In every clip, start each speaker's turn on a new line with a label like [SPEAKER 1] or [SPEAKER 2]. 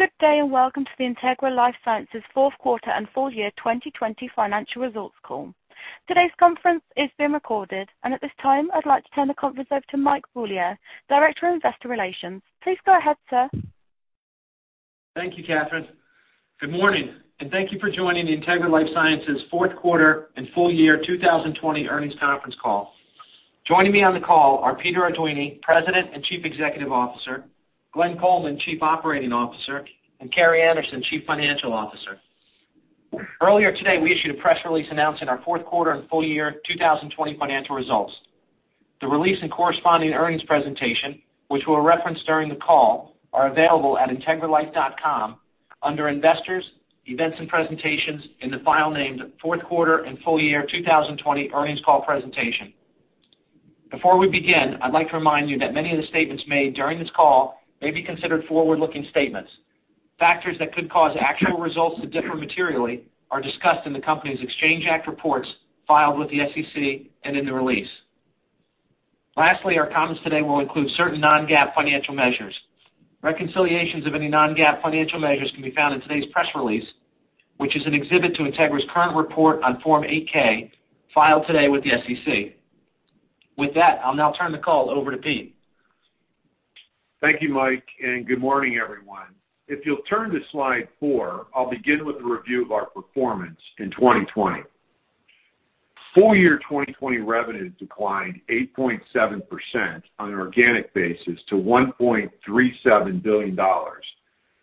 [SPEAKER 1] Good day, and welcome to the Integra LifeSciences Fourth Quarter and Full-Year 2020 Financial Results Call. Today's conference is being recorded, and at this time, I'd like to turn the conference over to Mike Beaulieu, Director of Investor Relations. Please go ahead, sir.
[SPEAKER 2] Thank you, Catherine. Good morning, thank you for joining the Integra LifeSciences fourth quarter and full-year 2020 earnings conference call. Joining me on the call are Peter Arduini, President and Chief Executive Officer, Glenn Coleman, Chief Operating Officer, and Carrie Anderson, Chief Financial Officer. Earlier today, we issued a press release announcing our fourth quarter and full-year 2020 financial results. The release and corresponding earnings presentation, which will reference during the call, are available at integralife.com under investors, events and presentations in the file named Fourth Quarter and Full-Year 2020 Earnings Call Presentation. Before we begin, I'd like to remind you that many of the statements made during this call may be considered forward-looking statements. Factors that could cause actual results to differ materially are discussed in the company's Exchange Act reports filed with the SEC and in the release. Lastly, our comments today will include certain non-GAAP financial measures. Reconciliations of any non-GAAP financial measures can be found in today's press release, which is an exhibit to Integra's current report on Form 8-K filed today with the SEC. I'll now turn the call over to Pete.
[SPEAKER 3] Thank you, Mike. Good morning, everyone. If you'll turn to slide four, I'll begin with a review of our performance in 2020. Full-year 2020 revenue declined 8.7% on an organic basis to $1.37 billion.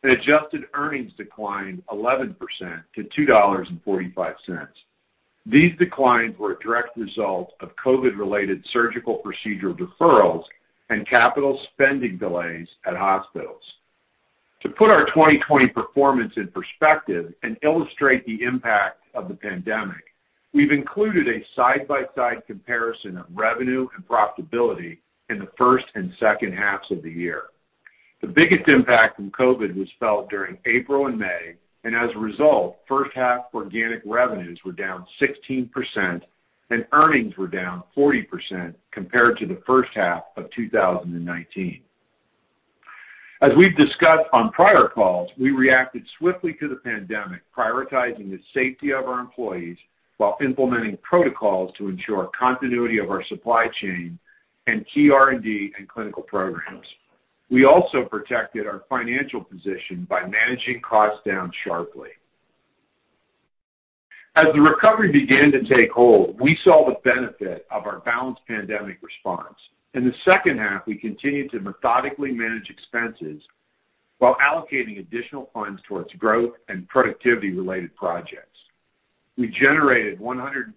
[SPEAKER 3] Adjusted earnings declined 11% to $2.45. These declines were a direct result of COVID-related surgical procedure deferrals and capital spending delays at hospitals. To put our 2020 performance in perspective and illustrate the impact of the pandemic, we've included a side-by-side comparison of revenue and profitability in the first and second halves of the year. The biggest impact from COVID was felt during April and May, and as a result, first half organic revenues were down 16%, and earnings were down 40% compared to the first half of 2019. As we've discussed on prior calls, we reacted swiftly to the pandemic, prioritizing the safety of our employees while implementing protocols to ensure continuity of our supply chain and key R&D and clinical programs. We also protected our financial position by managing costs down sharply. As the recovery began to take hold, we saw the benefit of our balanced pandemic response. In the second half, we continued to methodically manage expenses while allocating additional funds towards growth and productivity-related projects. We generated $150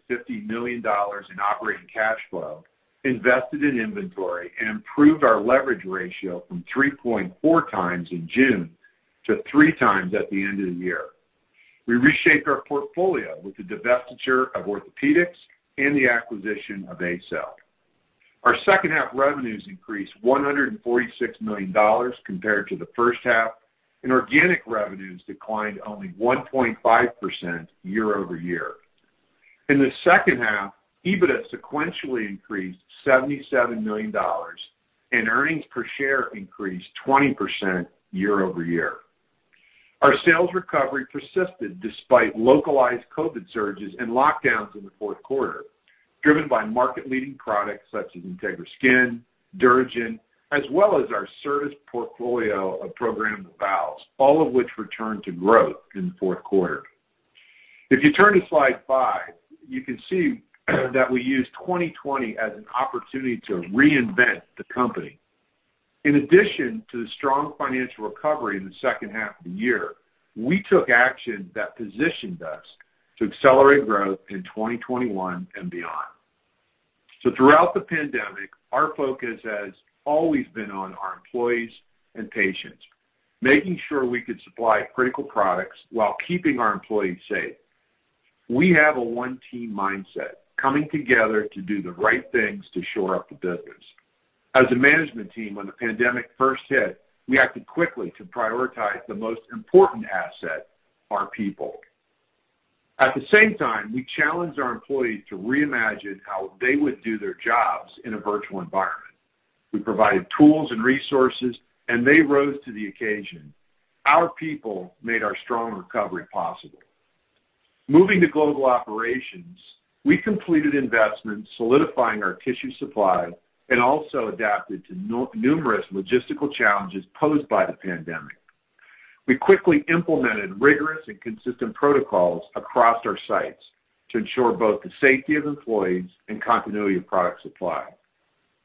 [SPEAKER 3] million in operating cash flow, invested in inventory and improved our leverage ratio from 3.4 times in June to 3 times at the end of the year. We reshaped our portfolio with the divestiture of orthopedics and the acquisition of ACell. Our second half revenues increased $146 million compared to the first half, organic revenues declined only 1.5% year-over-year. In the second half, EBITDA sequentially increased $77 million, and earnings per share increased 20% year-over-year. Our sales recovery persisted despite localized COVID surges and lockdowns in the fourth quarter, driven by market-leading products such as Integra Skin, DuraGen, as well as our service portfolio of programmable valves, all of which returned to growth in the fourth quarter. If you turn to slide five, you can see that we used 2020 as an opportunity to reinvent the company. In addition to the strong financial recovery in the second half of the year, we took action that positioned us to accelerate growth in 2021 and beyond. Throughout the pandemic, our focus has always been on our employees and patients, making sure we could supply critical products while keeping our employees safe. We have a one-team mindset, coming together to do the right things to shore up the business. As a management team, when the pandemic first hit, we acted quickly to prioritize the most important asset, our people. At the same time, we challenged our employees to reimagine how they would do their jobs in a virtual environment. We provided tools and resources, and they rose to the occasion. Our people made our strong recovery possible. Moving to global operations, we completed investments solidifying our tissue supply and also adapted to numerous logistical challenges posed by the pandemic. We quickly implemented rigorous and consistent protocols across our sites to ensure both the safety of employees and continuity of product supply.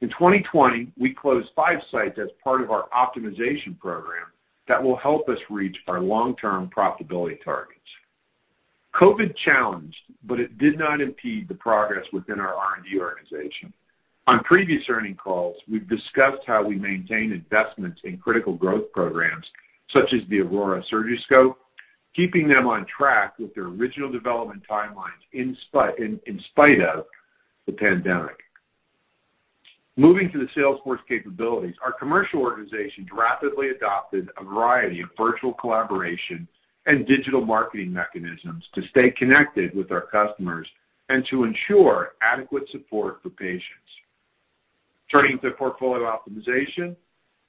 [SPEAKER 3] In 2020, we closed five sites as part of our optimization program that will help us reach our long-term profitability targets. COVID challenged, but it did not impede the progress within our R&D organization. On previous earnings calls, we've discussed how we maintain investments in critical growth programs, such as the AURORA Surgiscope, keeping them on track with their original development timelines in spite of the pandemic. Moving to the sales force capabilities, our commercial organization rapidly adopted a variety of virtual collaboration and digital marketing mechanisms to stay connected with our customers and to ensure adequate support for patients. Turning to portfolio optimization.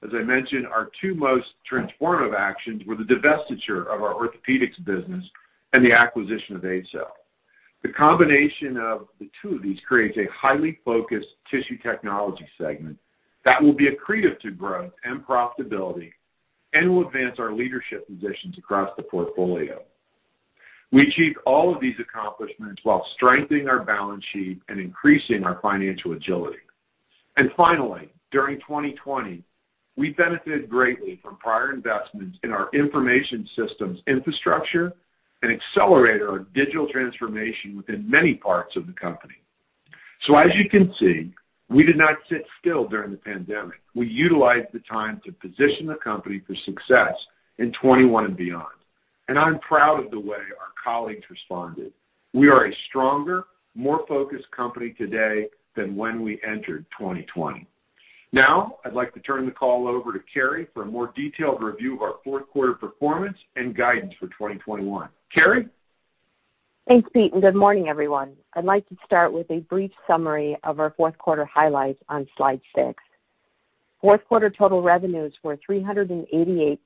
[SPEAKER 3] As I mentioned, our two most transformative actions were the divestiture of our orthopedics business and the acquisition of ACell. The combination of the two of these creates a highly focused tissue technology segment that will be accretive to growth and profitability and will advance our leadership positions across the portfolio. We achieved all of these accomplishments while strengthening our balance sheet and increasing our financial agility. Finally, during 2020, we benefited greatly from prior investments in our information systems infrastructure and accelerated our digital transformation within many parts of the company. As you can see, we did not sit still during the pandemic. We utilized the time to position the company for success in 2021 and beyond. I'm proud of the way our colleagues responded. We are a stronger, more focused company today than when we entered 2020. I'd like to turn the call over to Carrie for a more detailed review of our fourth quarter performance and guidance for 2021. Carrie?
[SPEAKER 4] Thanks, Pete. Good morning, everyone. I'd like to start with a brief summary of our fourth quarter highlights on slide six. Fourth quarter total revenues were $388.6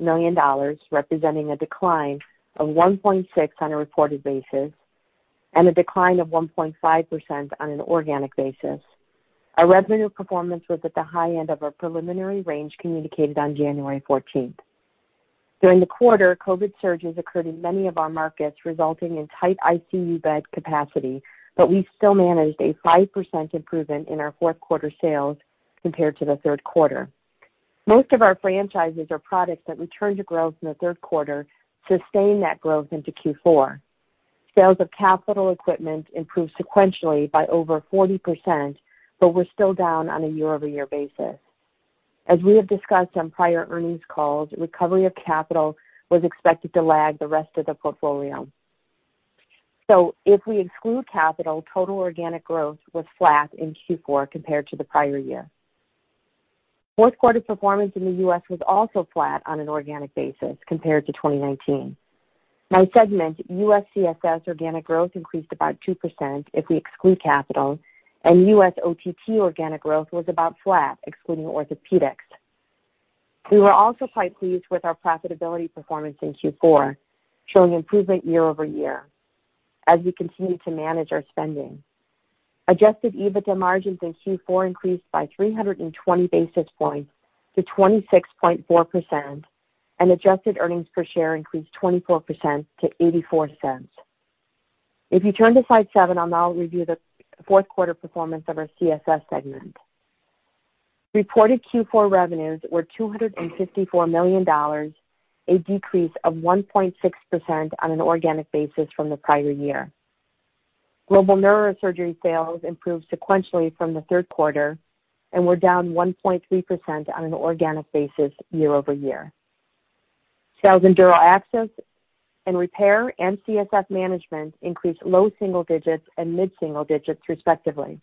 [SPEAKER 4] million, representing a decline of 1.6% on a reported basis and a decline of 1.5% on an organic basis. Our revenue performance was at the high end of our preliminary range communicated on January 14th. During the quarter, COVID surges occurred in many of our markets, resulting in tight ICU bed capacity, we still managed a 5% improvement in our fourth quarter sales compared to the third quarter. Most of our franchises are products that returned to growth in the third quarter, sustained that growth into Q4. Sales of capital equipment improved sequentially by over 40%, were still down on a year-over-year basis. As we have discussed on prior earnings calls, recovery of capital was expected to lag the rest of the portfolio. If we exclude capital, total organic growth was flat in Q4 compared to the prior year. Fourth quarter performance in the U.S. was also flat on an organic basis compared to 2019. By segment, U.S. CSS organic growth increased about 2% if we exclude capital, and U.S. OTT organic growth was about flat, excluding orthopedics. We were also quite pleased with our profitability performance in Q4, showing improvement year-over-year as we continue to manage our spending. Adjusted EBITDA margins in Q4 increased by 320 basis points to 26.4%, and adjusted earnings per share increased 24% to $0.84. If you turn to slide seven, I'll now review the fourth quarter performance of our CSS segment. Reported Q4 revenues were $254 million, a decrease of 1.6% on an organic basis from the prior year. Global neurosurgery sales improved sequentially from the third quarter and were down 1.3% on an organic basis year-over-year. Sales in dural access and repair and CSF management increased low single digits and mid-single digits respectively.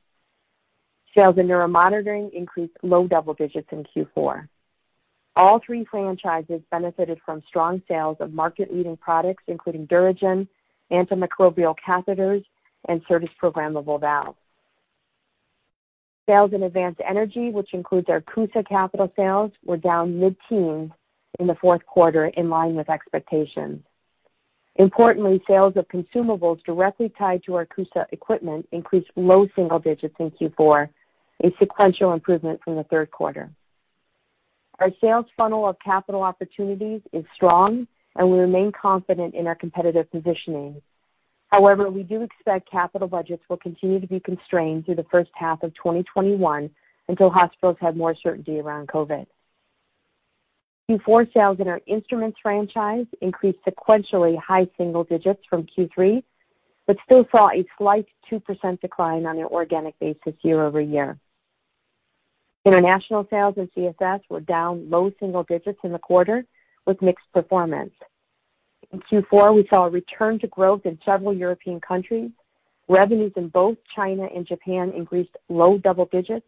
[SPEAKER 4] Sales in neuromonitoring increased low double digits in Q4. All three franchises benefited from strong sales of market-leading products, including DuraGen, antimicrobial catheters, and CERTAS Programmable Valves. Sales in Advanced Energy, which includes our CUSA capital sales, were down mid-teen in the fourth quarter, in line with expectations. Importantly, sales of consumables directly tied to our CUSA equipment increased low single digits in Q4, a sequential improvement from the third quarter. Our sales funnel of capital opportunities is strong, and we remain confident in our competitive positioning. However, we do expect capital budgets will continue to be constrained through the first half of 2021 until hospitals have more certainty around COVID. Q4 sales in our instruments franchise increased sequentially high single digits from Q3, but still saw a slight 2% decline on an organic basis year-over-year. International sales in CSS were down low single digits in the quarter with mixed performance. In Q4, we saw a return to growth in several European countries. Revenues in both China and Japan increased low double digits.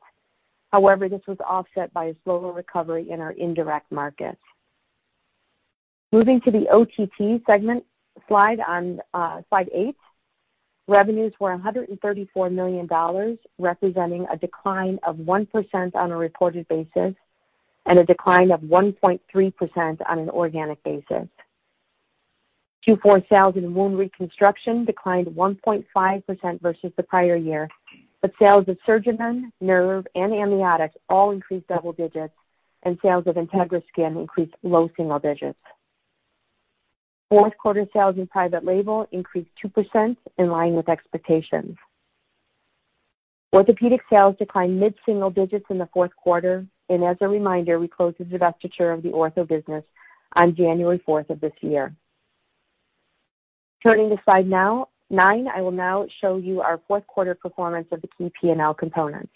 [SPEAKER 4] However, this was offset by a slower recovery in our indirect markets. Moving to the OTT segment slide on, slide eight, revenues were $134 million, representing a decline of 1% on a reported basis and a decline of 1.3% on an organic basis. Q4 sales in wound reconstruction declined 1.5% versus the prior year. Sales of SurgiMend, nerve, and amniotics all increased double digits, and sales of Integra Skin increased low single digits. Fourth quarter sales in private label increased 2% in line with expectations. Orthopedic sales declined mid-single digits in the fourth quarter. As a reminder, we closed the divestiture of the ortho business on January 4th of this year. Turning to slide nine, I will now show you our fourth quarter performance of the key P&L components.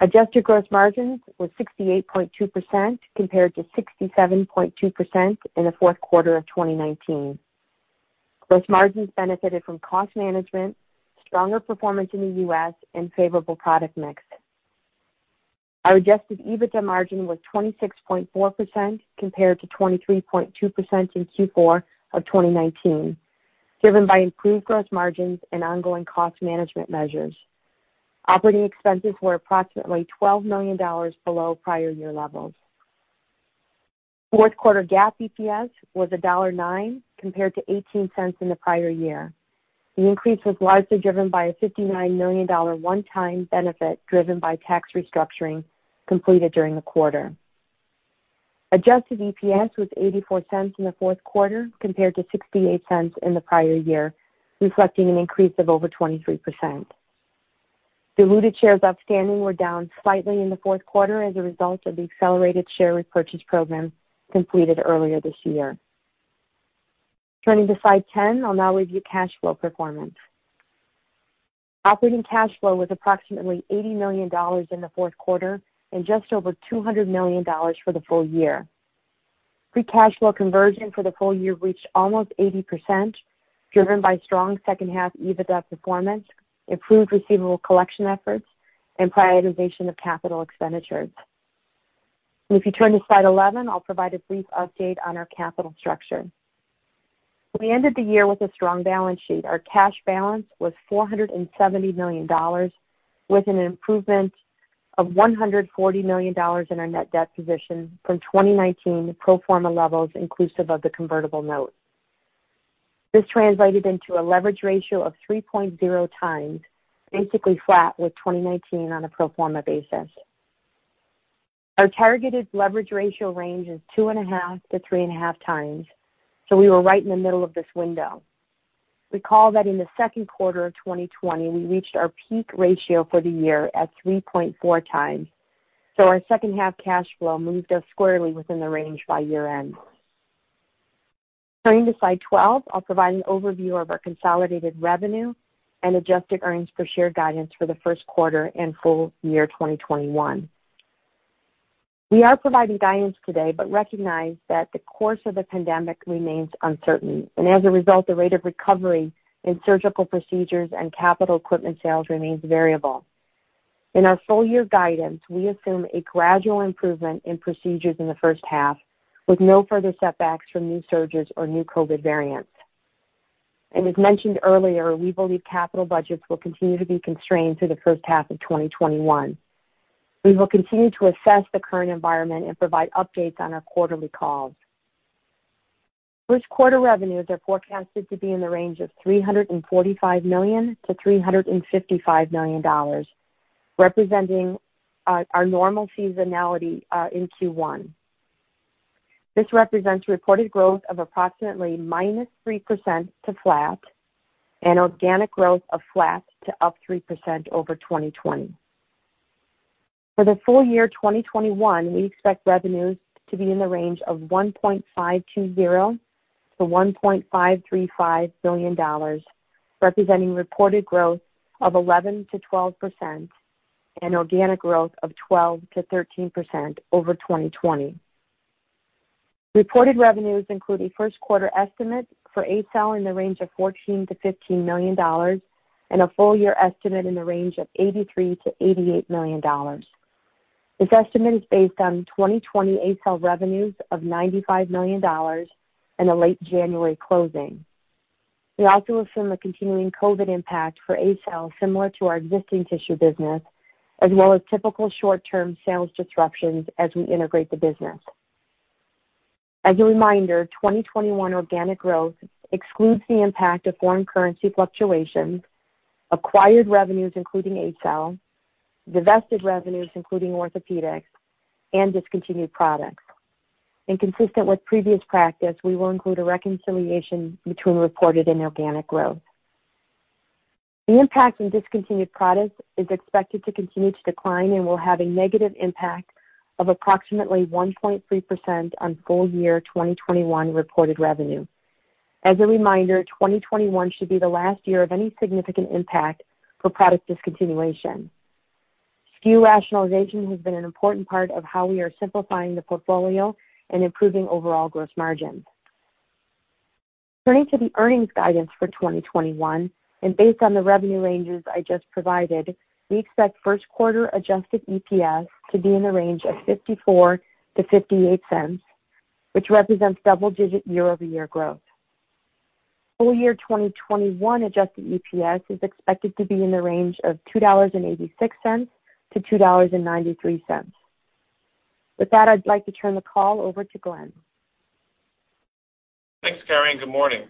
[SPEAKER 4] Adjusted gross margins were 68.2% compared to 67.2% in the fourth quarter of 2019. Gross margins benefited from cost management, stronger performance in the U.S., and favorable product mix. Our adjusted EBITDA margin was 26.4%, compared to 23.2% in Q4 of 2019, driven by improved gross margins and ongoing cost management measures. Operating expenses were approximately $12 million below prior year levels. Fourth quarter GAAP EPS was $1.09, compared to $0.18 in the prior year. The increase was largely driven by a $59 million one-time benefit, driven by tax restructuring completed during the quarter. Adjusted EPS was $0.84 in the fourth quarter, compared to $0.68 in the prior year, reflecting an increase of over 23%. Diluted shares outstanding were down slightly in the fourth quarter as a result of the accelerated share repurchase program completed earlier this year. Turning to slide 10, I'll now review cash flow performance. Operating cash flow was approximately $80 million in the fourth quarter and just over $200 million for the full year. Free cash flow conversion for the full year reached almost 80%, driven by strong second half EBITDA performance, improved receivable collection efforts, and prioritization of capital expenditures. If you turn to slide 11, I'll provide a brief update on our capital structure. We ended the year with a strong balance sheet. Our cash balance was $470 million, with an improvement of $140 million in our net debt position from 2019 pro forma levels inclusive of the convertible note. This translated into a leverage ratio of 3.0 times, basically flat with 2019 on a pro forma basis. Our targeted leverage ratio range is 2.5-3.5 times, so we were right in the middle of this window. Recall that in the second quarter of 2020, we reached our peak ratio for the year at 3.4 times, so our second-half cash flow moved us squarely within the range by year-end. Turning to slide 12, I will provide an overview of our consolidated revenue and adjusted earnings per share guidance for the first quarter and full year 2021. We are providing guidance today, but recognize that the course of the pandemic remains uncertain. As a result, the rate of recovery in surgical procedures and capital equipment sales remains variable. In our full year guidance, we assume a gradual improvement in procedures in the first half, with no further setbacks from new surges or new COVID variants. As mentioned earlier, we believe capital budgets will continue to be constrained through the first half of 2021. We will continue to assess the current environment and provide updates on our quarterly calls. First quarter revenues are forecasted to be in the range of $345 million-$355 million, representing our normal seasonality in Q1. This represents reported growth of approximately -3% to flat, and organic growth of flat to up 3% over 2020. For the full year 2021, we expect revenues to be in the range of $1.520 billion-$1.535 billion, representing reported growth of 11%-12% and organic growth of 12%-13% over 2020. Reported revenues include a first quarter estimate for ACell in the range of $14 million-$15 million and a full-year estimate in the range of $83 million-$88 million. This estimate is based on 2020 ACell revenues of $95 million and a late January closing. We also assume a continuing COVID impact for ACell similar to our existing tissue business, as well as typical short-term sales disruptions as we integrate the business. As a reminder, 2021 organic growth excludes the impact of foreign currency fluctuations, acquired revenues, including ACell, divested revenues including orthopedics, and discontinued products. Consistent with previous practice, we will include a reconciliation between reported and organic growth. The impact in discontinued products is expected to continue to decline and will have a negative impact of approximately 1.3% on full-year 2021 reported revenue. As a reminder, 2021 should be the last year of any significant impact for product discontinuation. SKU rationalization has been an important part of how we are simplifying the portfolio and improving overall gross margin. Turning to the earnings guidance for 2021 and based on the revenue ranges I just provided, we expect first quarter adjusted EPS to be in the range of $0.54-$0.58, which represents double-digit year-over-year growth. Full-year 2021 adjusted EPS is expected to be in the range of $2.86-$2.93. With that, I'd like to turn the call over to Glenn.
[SPEAKER 5] Thanks, Carrie. Good morning.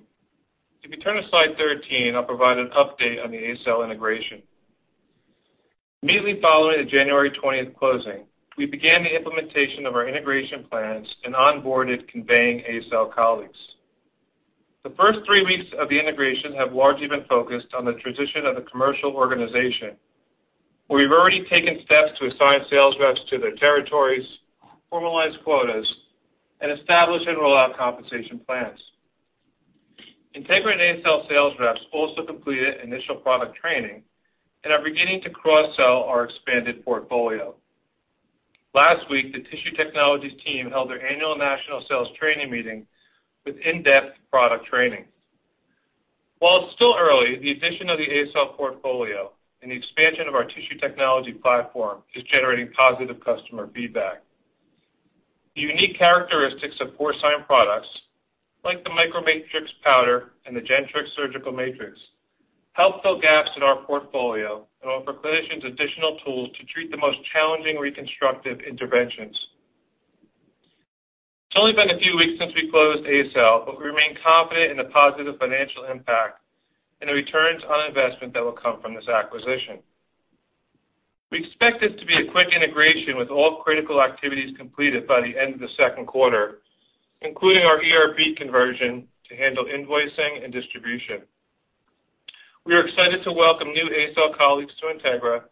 [SPEAKER 5] If you turn to slide 13, I'll provide an update on the ACell integration. Immediately following the January 20th closing, we began the implementation of our integration plans and onboarded ACell colleagues. The first three weeks of the integration have largely been focused on the transition of the commercial organization, where we've already taken steps to assign sales reps to their territories, formalize quotas, and establish and roll out compensation plans. Integra and ACell sales reps also completed initial product training and are beginning to cross-sell our expanded portfolio. Last week, the Tissue Technologies team held their annual national sales training meeting with in-depth product training. While it's still early, the addition of the ACell portfolio and the expansion of our tissue technology platform is generating positive customer feedback. The unique characteristics of porcine products, like the MicroMatrix powder and the Gentrix Surgical Matrix, help fill gaps in our portfolio and offer clinicians additional tools to treat the most challenging reconstructive interventions. It's only been a few weeks since we closed ACell, but we remain confident in the positive financial impact and the returns on investment that will come from this acquisition. We expect this to be a quick integration, with all critical activities completed by the end of the second quarter, including our ERP conversion to handle invoicing and distribution. We are excited to welcome new ACell colleagues to Integra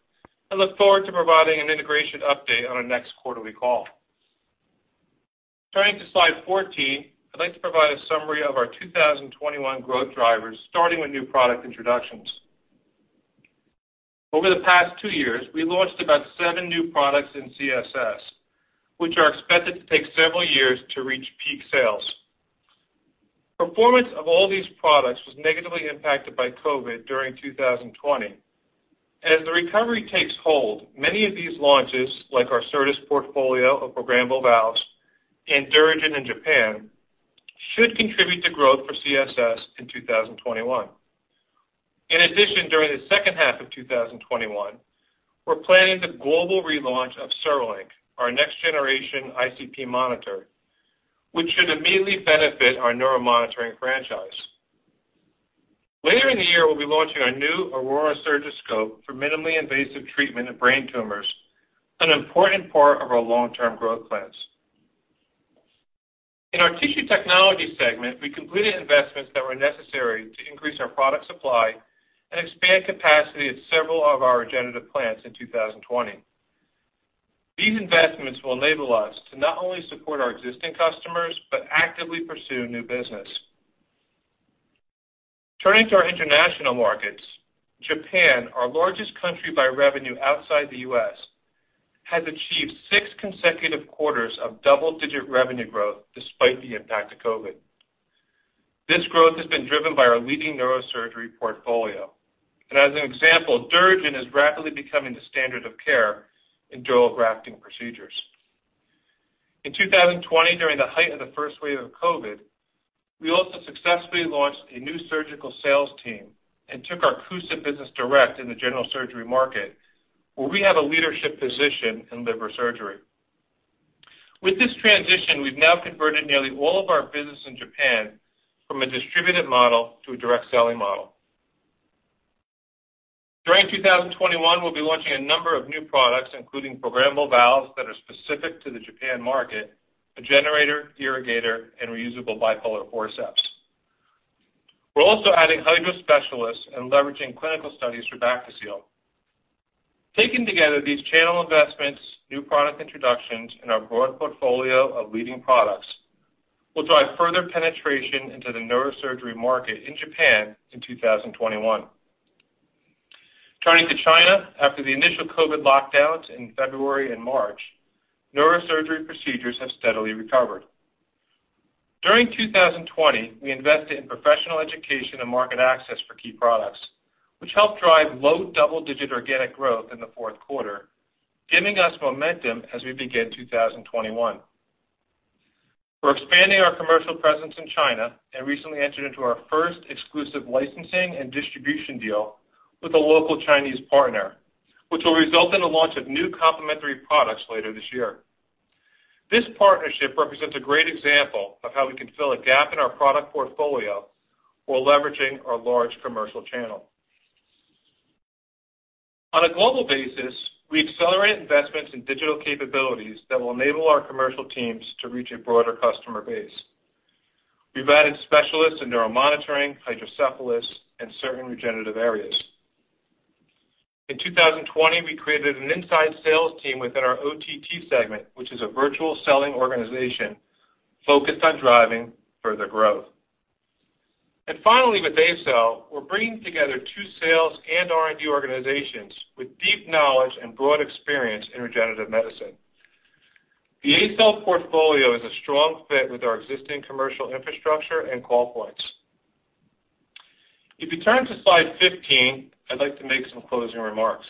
[SPEAKER 5] and look forward to providing an integration update on our next quarterly call. Turning to slide 14, I'd like to provide a summary of our 2021 growth drivers, starting with new product introductions. Over the past two years, we launched about seven new products in CSS, which are expected to take several years to reach peak sales. Performance of all these products was negatively impacted by COVID during 2020. As the recovery takes hold, many of these launches, like our CERTAS portfolio of programmable valves and DuraGen in Japan, should contribute to growth for CSS in 2021. In addition, during the second half of 2021, we're planning the global relaunch of CereLink, our next-generation ICP monitor, which should immediately benefit our neuromonitoring franchise. Later in the year, we'll be launching our new AURORA Surgiscope for minimally invasive treatment of brain tumors, an important part of our long-term growth plans. In our Tissue Technology segment, we completed investments that were necessary to increase our product supply and expand capacity at several of our regenerative plants in 2020. These investments will enable us to not only support our existing customers but actively pursue new business. Turning to our international markets, Japan, our largest country by revenue outside the U.S., has achieved six consecutive quarters of double-digit revenue growth despite the impact of COVID. This growth has been driven by our leading neurosurgery portfolio. As an example, DuraGen is rapidly becoming the standard of care in dural grafting procedures. In 2020, during the height of the first wave of COVID, we also successfully launched a new surgical sales team and took our CUSA business direct in the general surgery market, where we have a leadership position in liver surgery. With this transition, we've now converted nearly all of our business in Japan from a distributed model to a direct selling model. During 2021, we'll be launching a number of new products, including programmable valves that are specific to the Japan market, a generator, irrigator, and reusable bipolar forceps. We're also adding hydro specialists and leveraging clinical studies for Bactiseal. Taken together, these channel investments, new product introductions, and our broad portfolio of leading products will drive further penetration into the neurosurgery market in Japan in 2021. Turning to China, after the initial COVID lockdowns in February and March, neurosurgery procedures have steadily recovered. During 2020, we invested in professional education and market access for key products, which helped drive low double-digit organic growth in the fourth quarter, giving us momentum as we begin 2021. We're expanding our commercial presence in China and recently entered into our first exclusive licensing and distribution deal with a local Chinese partner, which will result in the launch of new complementary products later this year. This partnership represents a great example of how we can fill a gap in our product portfolio while leveraging our large commercial channel. On a global basis, we accelerated investments in digital capabilities that will enable our commercial teams to reach a broader customer base. We've added specialists in neuromonitoring, hydrocephalus, and certain regenerative areas. In 2020, we created an inside sales team within our OTT segment, which is a virtual selling organization focused on driving further growth. Finally, with ACell, we're bringing together two sales and R&D organizations with deep knowledge and broad experience in regenerative medicine. The ACell portfolio is a strong fit with our existing commercial infrastructure and call points. If you turn to slide 15, I'd like to make some closing remarks.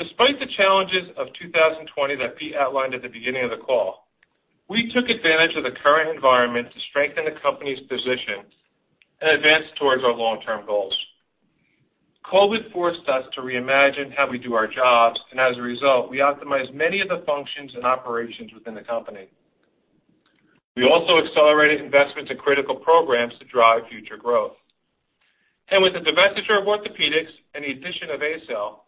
[SPEAKER 5] Despite the challenges of 2020 that Pete outlined at the beginning of the call, we took advantage of the current environment to strengthen the company's position and advance towards our long-term goals. COVID forced us to reimagine how we do our jobs, and as a result, we optimized many of the functions and operations within the company. We also accelerated investments in critical programs to drive future growth. With the divestiture of orthopedics and the addition of ACell,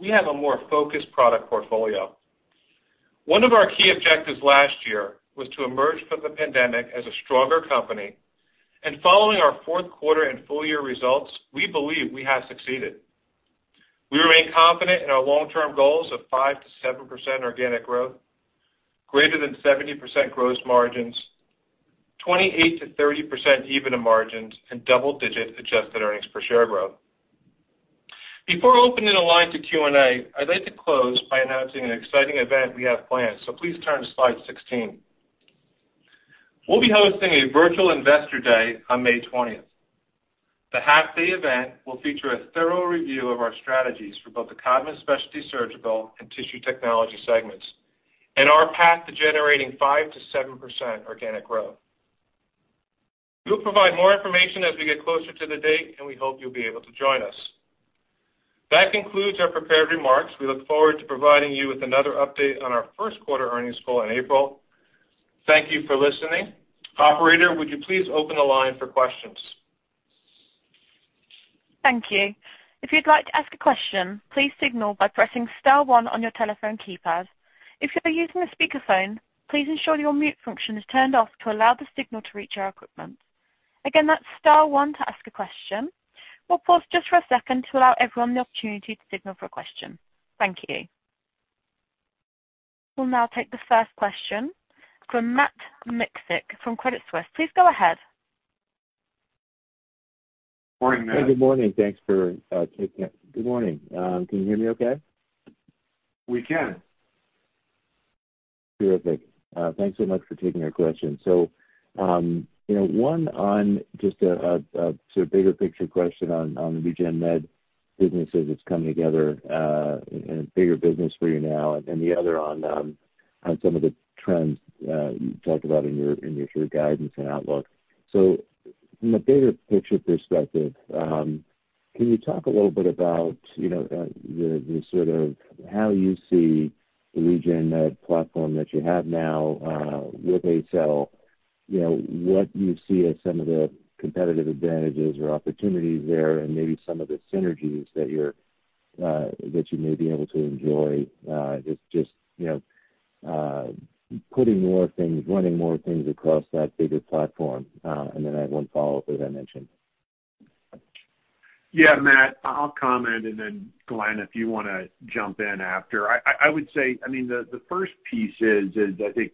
[SPEAKER 5] we have a more focused product portfolio. One of our key objectives last year was to emerge from the pandemic as a stronger company, and following our fourth quarter and full-year results, we believe we have succeeded. We remain confident in our long-term goals of 5%-7% organic growth, greater than 70% gross margins, 28%-30% EBITDA margins, and double-digit adjusted earnings per share growth.
[SPEAKER 3] Before opening the line to Q&A, I'd like to close by announcing an exciting event we have planned. Please turn to slide 16. We'll be hosting a virtual Investor Day on May 20th. The half-day event will feature a thorough review of our strategies for both the Codman Specialty Surgical and Tissue Technologies segments, and our path to generating 5%-7% organic growth. We'll provide more information as we get closer to the date, and we hope you'll be able to join us. That concludes our prepared remarks. We look forward to providing you with another update on our first quarter earnings call in April. Thank you for listening. Operator, would you please open the line for questions?
[SPEAKER 1] Thank you. If you'd like to ask a question, please signal by pressing star one on your telephone keypad. If you're using a speakerphone, please ensure your mute function is turned off to allow the signal to reach our equipment. Again, that's star one to ask a question. We'll pause just for a second to allow everyone the opportunity to signal for a question. Thank you. We'll now take the first question from Matt Miksic from Credit Suisse. Please go ahead.
[SPEAKER 3] Morning, Matt.
[SPEAKER 6] Hey, good morning. Thanks for taking it. Good morning. Can you hear me okay?
[SPEAKER 3] We can.
[SPEAKER 6] Terrific. Thanks so much for taking our question. One on, just a sort of bigger picture question on the RegenMed businesses that's coming together, and a bigger business for you now. The other on how some of the trends you talked about in your guidance and outlook. From a bigger picture perspective, can you talk a little bit about the sort of how you see the RegenMed platform that you have now, with ACell, what you see as some of the competitive advantages or opportunities there, and maybe some of the synergies that you may be able to enjoy, just putting more things, running more things across that bigger platform. I have one follow-up, as I mentioned.
[SPEAKER 3] Yeah, Matt, I'll comment, and then Glenn, if you want to jump in after. I would say, the first piece is, I think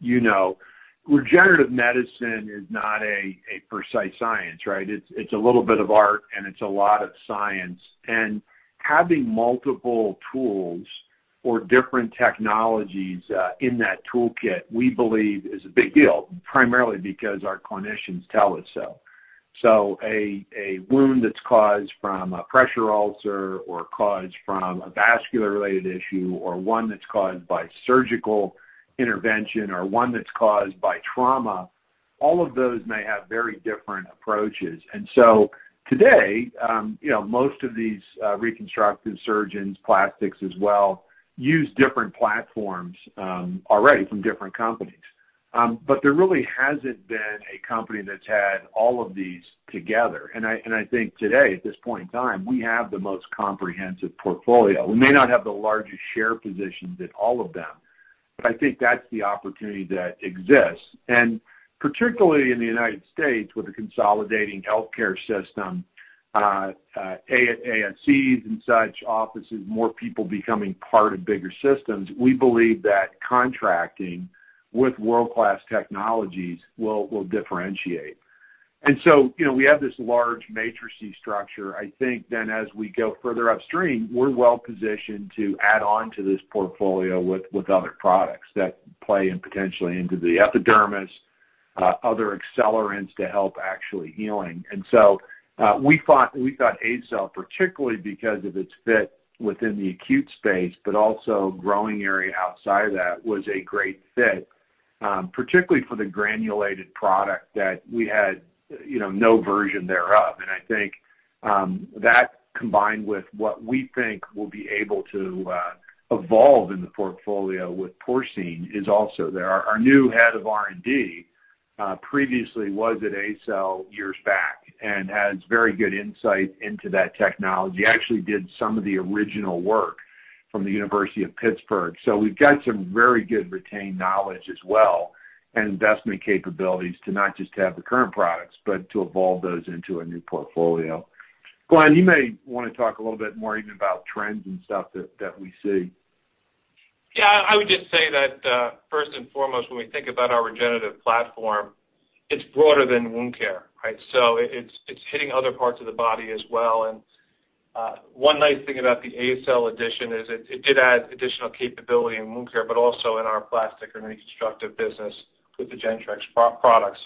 [SPEAKER 3] you know, regenerative medicine is not a precise science, right? It's a little bit of art and it's a lot of science. Having multiple tools or different technologies in that toolkit, we believe is a big deal, primarily because our clinicians tell us so. A wound that's caused from a pressure ulcer or caused from a vascular related issue, or one that's caused by surgical intervention, or one that's caused by trauma, all of those may have very different approaches. Today, most of these reconstructive surgeons, plastics as well, use different platforms already from different companies. There really hasn't been a company that's had all of these together. I think today, at this point in time, we have the most comprehensive portfolio. We may not have the largest share positions in all of them, but I think that's the opportunity that exists. Particularly in the United States with a consolidating healthcare system, ASCs and such, offices, more people becoming part of bigger systems, we believe that contracting with world-class technologies will differentiate. We have this large matrix structure. I think as we go further upstream, we're well positioned to add on to this portfolio with other products that play potentially into the epidermis, other accelerants to help actually healing. We thought ACell, particularly because of its fit within the acute space, but also growing area outside of that, was a great fit, particularly for the granulated product that we had no version thereof. I think that combined with what we think will be able to evolve in the portfolio with porcine is also there. Our new head of R&D, previously was at ACell years back and has very good insight into that technology, actually did some of the original work from the University of Pittsburgh. We've got some very good retained knowledge as well, and investment capabilities to not just have the current products, but to evolve those into a new portfolio. Glenn, you may want to talk a little bit more even about trends and stuff that we see.
[SPEAKER 5] Yeah, I would just say that, first and foremost, when we think about our regenerative platform, it's broader than wound care, right? It's hitting other parts of the body as well. One nice thing about the ACell addition is it did add additional capability in wound care, but also in our plastic and reconstructive business with the Gentrix product.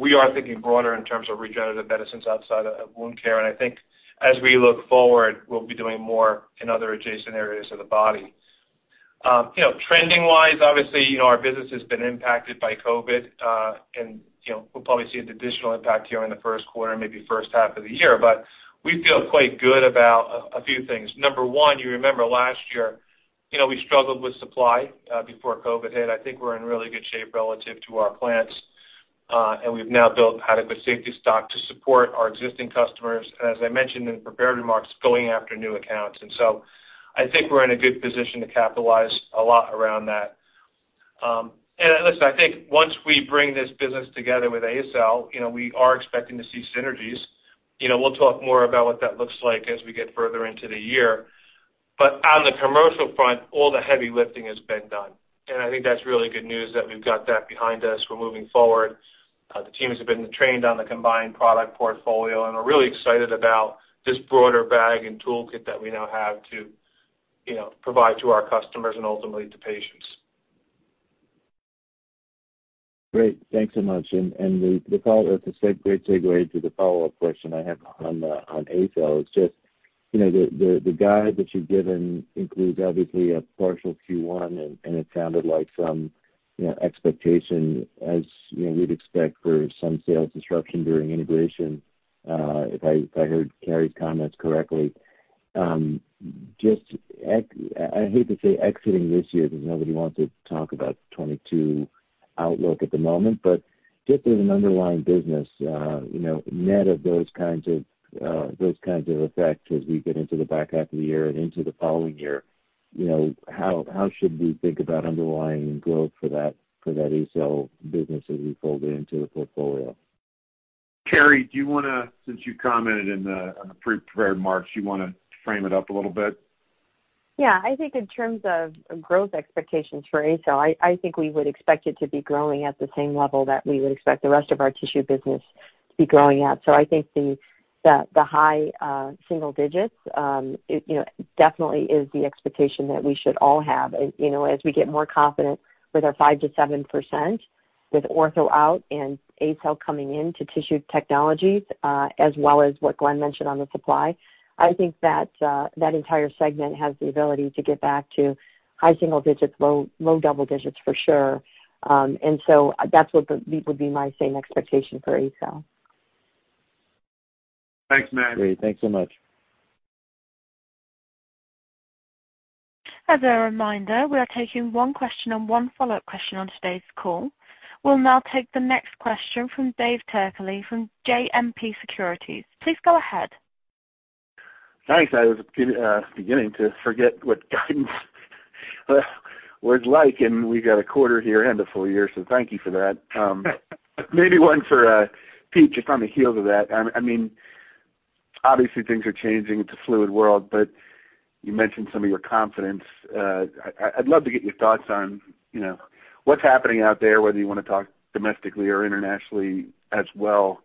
[SPEAKER 5] We are thinking broader in terms of regenerative medicines outside of wound care. I think as we look forward, we'll be doing more in other adjacent areas of the body. Trending wise, obviously, our business has been impacted by COVID. We'll probably see an additional impact here in the first quarter, maybe first half of the year, but we feel quite good about a few things. Number one, you remember last year, we struggled with supply, before COVID hit. I think we're in really good shape relative to our plants. We've now built adequate safety stock to support our existing customers, and as I mentioned in the prepared remarks, going after new accounts. I think we're in a good position to capitalize a lot around that. Listen, I think once we bring this business together with ACell, we are expecting to see synergies. We'll talk more about what that looks like as we get further into the year. On the commercial front, all the heavy lifting has been done, and I think that's really good news that we've got that behind us. We're moving forward. The teams have been trained on the combined product portfolio, and we're really excited about this broader bag and toolkit that we now have to provide to our customers and ultimately to patients.
[SPEAKER 6] Great. Thanks so much. The follow-up, it's a great segue to the follow-up question I have on ACell. It's just the guide that you've given includes, obviously, a partial Q1, and it sounded like some expectation as we'd expect for some sales disruption during integration, if I heard Carrie's comments correctly. I hate to say exiting this year because nobody wants to talk about the 2022 outlook at the moment, just as an underlying business, net of those kinds of effects as we get into the back half of the year and into the following year, how should we think about underlying growth for that ACell business as we fold it into the portfolio?
[SPEAKER 3] Carrie, since you commented in the prepared remarks, you want to frame it up a little bit?
[SPEAKER 4] I think in terms of growth expectations for ACell, I think we would expect it to be growing at the same level that we would expect the rest of our tissue business to be growing at. I think the high single digits definitely is the expectation that we should all have. As we get more confident with our 5%-7% with ortho out and ACell coming in to Tissue Technologies, as well as what Glenn mentioned on the supply, I think that that entire segment has the ability to get back to high single digits, low double digits for sure. That would be my same expectation for ACell.
[SPEAKER 3] Thanks, Matt.
[SPEAKER 6] Great. Thanks so much.
[SPEAKER 1] As a reminder, we are taking one question and one follow-up question on today's call. We will now take the next question from Dave Turkaly from JMP Securities. Please go ahead.
[SPEAKER 7] Thanks. I was beginning to forget what guidance was like, and we've got a quarter here and a full year, so thank you for that. Maybe one for Pete, just on the heels of that. Obviously, things are changing. It's a fluid world, but you mentioned some of your confidence. I'd love to get your thoughts on what's happening out there, whether you want to talk domestically or internationally as well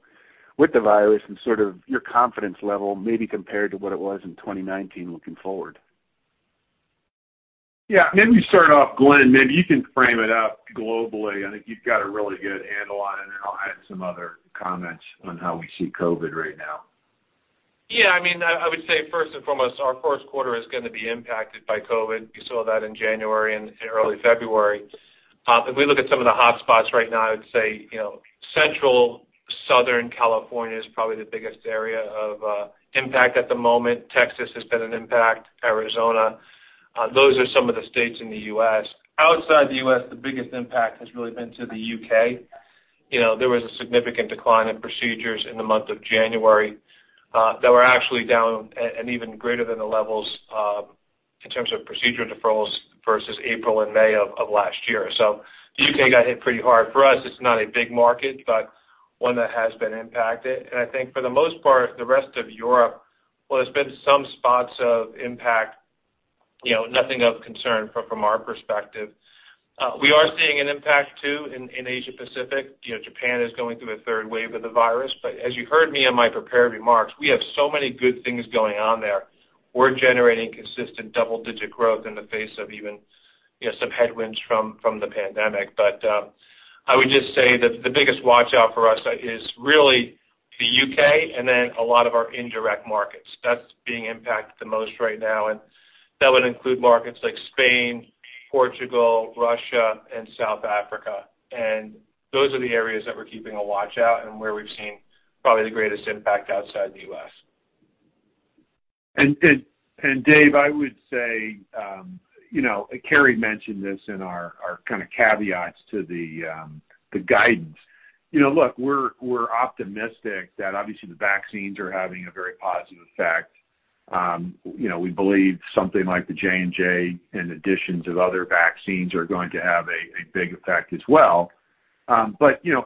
[SPEAKER 7] with the virus and sort of your confidence level maybe compared to what it was in 2019 looking forward.
[SPEAKER 3] Yeah. Maybe start off, Glenn, maybe you can frame it up globally. I think you've got a really good handle on it, and then I'll add some other comments on how we see COVID right now.
[SPEAKER 5] Yeah. I would say first and foremost, our first quarter is going to be impacted by COVID. We saw that in January and early February. If we look at some of the hotspots right now, I would say Central, Southern California is probably the biggest area of impact at the moment. Texas has been an impact, Arizona. Those are some of the states in the U.S. Outside the U.S., the biggest impact has really been to the U.K. There was a significant decline in procedures in the month of January that were actually down and even greater than the levels in terms of procedure deferrals versus April and May of last year. The U.K. got hit pretty hard. For us, it's not a big market, but one that has been impacted. I think for the most part, the rest of Europe, while there's been some spots of impact, nothing of concern from our perspective. We are seeing an impact too in Asia Pacific. Japan is going through a third wave of the virus. As you heard me in my prepared remarks, we have so many good things going on there. We're generating consistent double-digit growth in the face of even some headwinds from the pandemic. I would just say that the biggest watch-out for us is really the U.K. and then a lot of our indirect markets. That's being impacted the most right now, and that would include markets like Spain, Portugal, Russia, and South Africa. Those are the areas that we're keeping a watch out and where we've seen probably the greatest impact outside the U.S.
[SPEAKER 3] Dave, I would say, Carrie mentioned this in our kind of caveats to the guidance. Look, we're optimistic that obviously the vaccines are having a very positive effect. We believe something like the J&J in addition to other vaccines are going to have a big effect as well.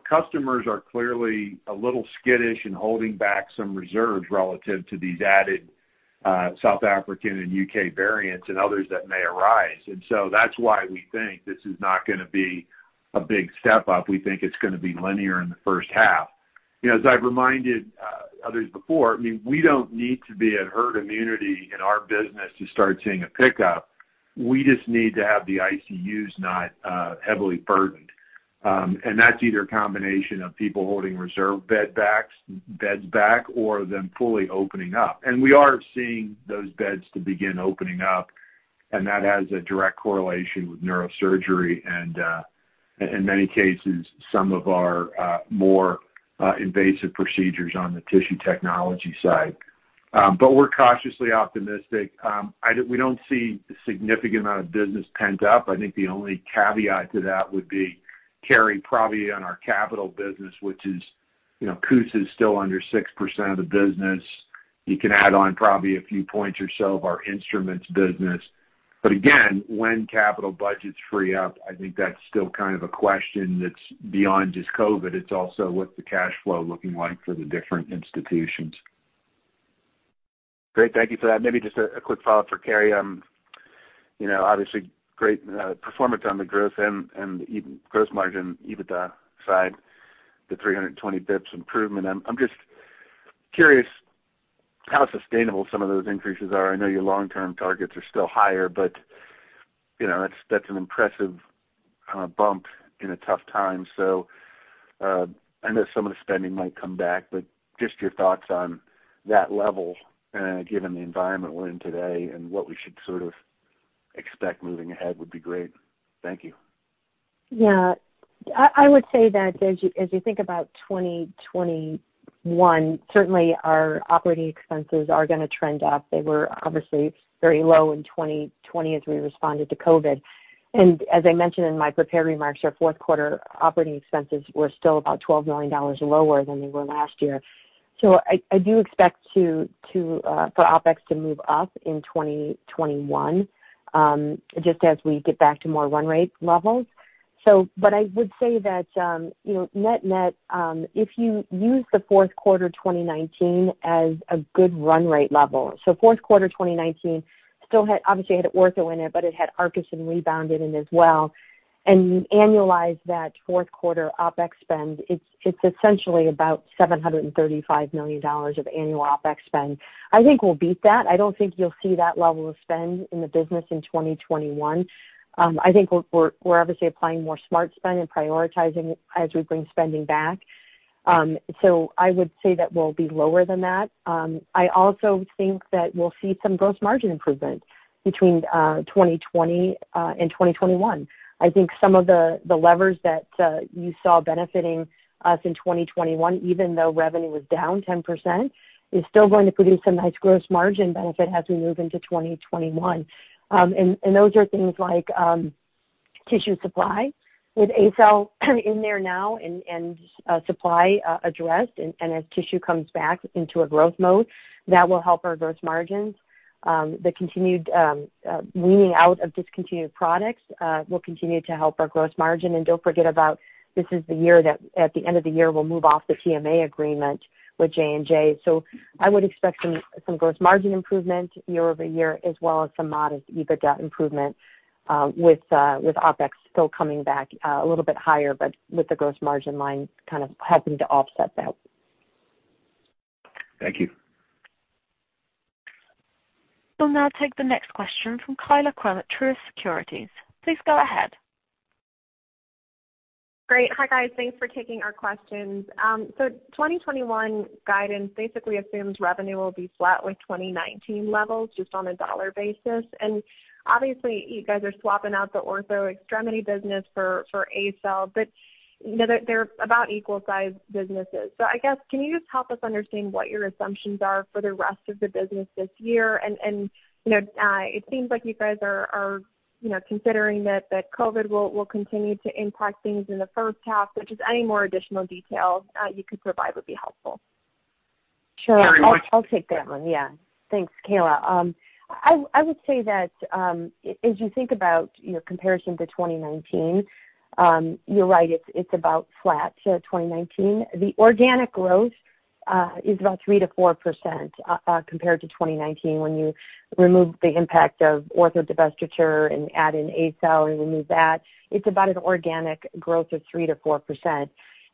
[SPEAKER 3] Customers are clearly a little skittish and holding back some reserves relative to these added South African and U.K. variants and others that may arise. That's why we think this is not going to be a big step-up. We think it's going to be linear in the first half. As I've reminded others before, we don't need to be at herd immunity in our business to start seeing a pickup. We just need to have the ICUs not heavily burdened. That's either a combination of people holding reserve beds back or them fully opening up. We are seeing those beds to begin opening up, and that has a direct correlation with neurosurgery and, in many cases, some of our more invasive procedures on the tissue technology side. We're cautiously optimistic. We don't see a significant amount of business pent up. I think the only caveat to that would be, Carrie, probably on our capital business, which is, CUSA is still under 6% of the business. You can add on probably a few points or so of our instruments business. Again, when capital budgets free up, I think that's still kind of a question that's beyond just COVID. It's also what's the cash flow looking like for the different institutions.
[SPEAKER 7] Great. Thank you for that. Maybe just a quick follow-up for Carrie. Obviously, great performance on the growth and gross margin, EBITDA side, the 320 bps improvement. I'm just curious how sustainable some of those increases are. I know your long-term targets are still higher, but that's an impressive bump in a tough time. I know some of the spending might come back, but just your thoughts on that level given the environment we're in today and what we should sort of expect moving ahead would be great. Thank you.
[SPEAKER 4] Yeah. I would say that as you think about 2021, certainly our operating expenses are going to trend up. They were obviously very low in 2020 as we responded to COVID. As I mentioned in my prepared remarks, our fourth quarter operating expenses were still about $12 million lower than they were last year. I do expect for OpEx to move up in 2021, just as we get back to more run rate levels. I would say that net-net, if you use the fourth quarter 2019 as a good run rate level, fourth quarter 2019 still obviously had ortho in it, but it had Arkis and Rebound in as well, and you annualize that fourth quarter OpEx spend, it's essentially about $735 million of annual OpEx spend. I think we'll beat that. I don't think you'll see that level of spend in the business in 2021. I think we're obviously applying more smart spend and prioritizing as we bring spending back. I would say that we'll be lower than that. I also think that we'll see some gross margin improvement between 2020 and 2021. I think some of the levers that you saw benefiting us in 2021, even though revenue was down 10%, is still going to produce some nice gross margin benefit as we move into 2021. Those are things like tissue supply with ACell in there now and supply addressed. As tissue comes back into a growth mode, that will help our gross margins. The continued weaning out of discontinued products will continue to help our gross margin. Don't forget about, this is the year that at the end of the year, we'll move off the TMA agreement with J&J. I would expect some gross margin improvement year-over-year as well as some modest EBITDA improvement with OpEx still coming back a little bit higher, but with the gross margin line kind of helping to offset that.
[SPEAKER 7] Thank you.
[SPEAKER 1] We'll now take the next question from Kaila Krum at Truist Securities. Please go ahead.
[SPEAKER 8] Great. Hi, guys. Thanks for taking our questions. 2021 guidance basically assumes revenue will be flat with 2019 levels just on a dollar basis. Obviously, you guys are swapping out the ortho extremity business for ACell, but they're about equal-size businesses. I guess, can you just help us understand what your assumptions are for the rest of the business this year? It seems like you guys are considering that COVID will continue to impact things in the first half. Just any more additional details you could provide would be helpful.
[SPEAKER 4] Sure. I'll take that one. Yeah. Thanks, Kaila. I would say that as you think about your comparison to 2019, you're right, it's about flat to 2019. The organic growth is about 3%-4% compared to 2019. When you remove the impact of ortho divestiture and add in ACell and remove that, it's about an organic growth of 3%-4%.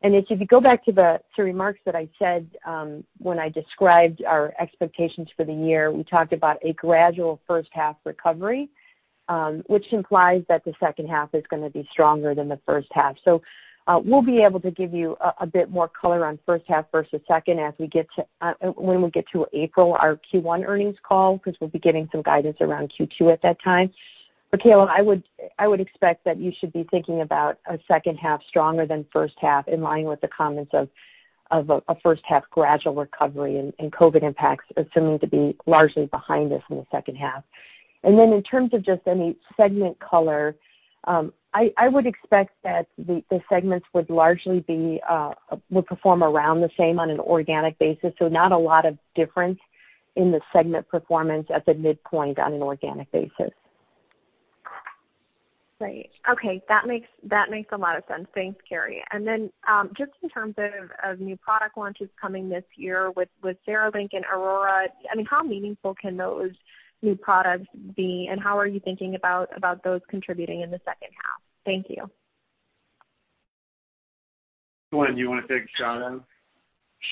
[SPEAKER 4] If you go back to the remarks that I said when I described our expectations for the year, we talked about a gradual first half recovery, which implies that the second half is going to be stronger than the first half. We'll be able to give you a bit more color on first half versus second when we get to April, our Q1 earnings call, because we'll be giving some guidance around Q2 at that time. Kaila, I would expect that you should be thinking about a second half stronger than first half, in line with the comments of a first half gradual recovery and COVID impacts assuming to be largely behind us in the second half. Then in terms of just any segment color, I would expect that the segments would largely perform around the same on an organic basis. Not a lot of difference in the segment performance at the midpoint on an organic basis.
[SPEAKER 8] Right. Okay. That makes a lot of sense. Thanks, Carrie. Just in terms of new product launches coming this year with CereLink and AURORA, how meaningful can those new products be, and how are you thinking about those contributing in the second half? Thank you.
[SPEAKER 3] Glenn, do you want to take a shot at it?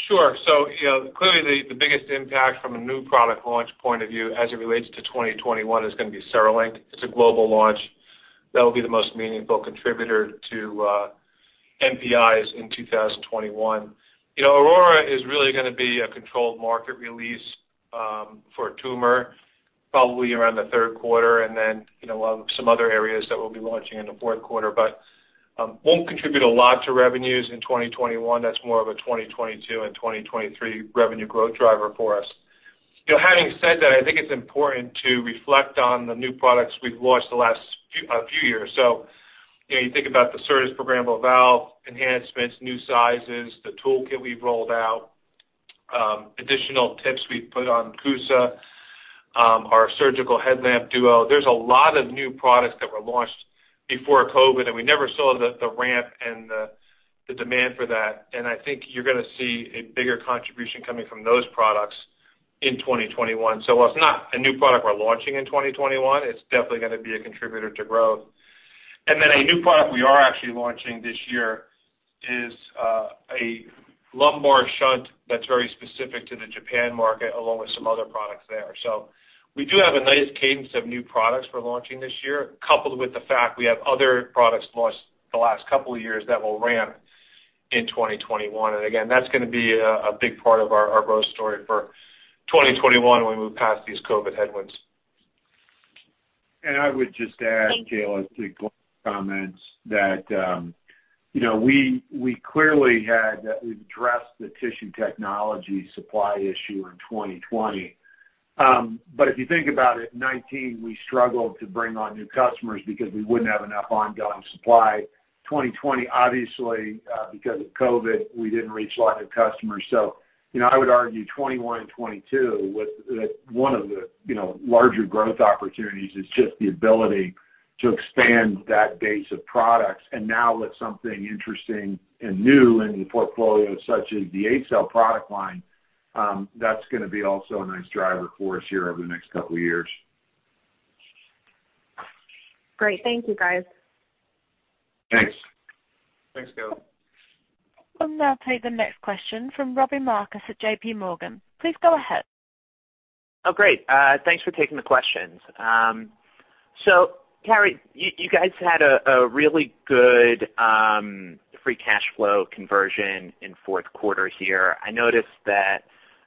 [SPEAKER 5] Sure. Clearly the biggest impact from a new product launch point of view as it relates to 2021 is going to be CereLink. It's a global launch. That will be the most meaningful contributor to NPIs in 2021. AURORA is really going to be a controlled market release for tumor, probably around the third quarter, some other areas that we'll be launching in the fourth quarter. Won't contribute a lot to revenues in 2021. That's more of a 2022 and 2023 revenue growth driver for us. Having said that, I think it's important to reflect on the new products we've launched the last few years. You think about the CERTAS Programmable Valve enhancements, new sizes, the toolkit we've rolled out Additional tips we put on CUSA, our surgical headlamp DUO. There's a lot of new products that were launched before COVID, and we never saw the ramp and the demand for that. I think you're going to see a bigger contribution coming from those products in 2021. While it's not a new product we're launching in 2021, it's definitely going to be a contributor to growth. A new product we are actually launching this year is a lumbar shunt that's very specific to the Japan market, along with some other products there. We do have a nice cadence of new products we're launching this year, coupled with the fact we have other products launched the last couple of years that will ramp in 2021. Again, that's going to be a big part of our growth story for 2021 when we move past these COVID headwinds.
[SPEAKER 3] I would just add, Kaila, to Glenn's comments that we clearly had addressed the Tissue Technologies supply issue in 2020. If you think about it, 2019, we struggled to bring on new customers because we wouldn't have enough ongoing supply. 2020, obviously, because of COVID, we didn't reach a lot of customers. I would argue 2021 and 2022, one of the larger growth opportunities is just the ability to expand that base of products. Now with something interesting and new in the portfolio, such as the ACell product line, that's going to be also a nice driver for us here over the next couple of years.
[SPEAKER 8] Great. Thank you, guys.
[SPEAKER 3] Thanks.
[SPEAKER 5] Thanks, Kaila.
[SPEAKER 1] We'll now take the next question from Robbie Marcus at JPMorgan. Please go ahead.
[SPEAKER 9] Oh, great. Thanks for taking the questions. Carrie, you guys had a really good free cash flow conversion in fourth quarter here. I noticed that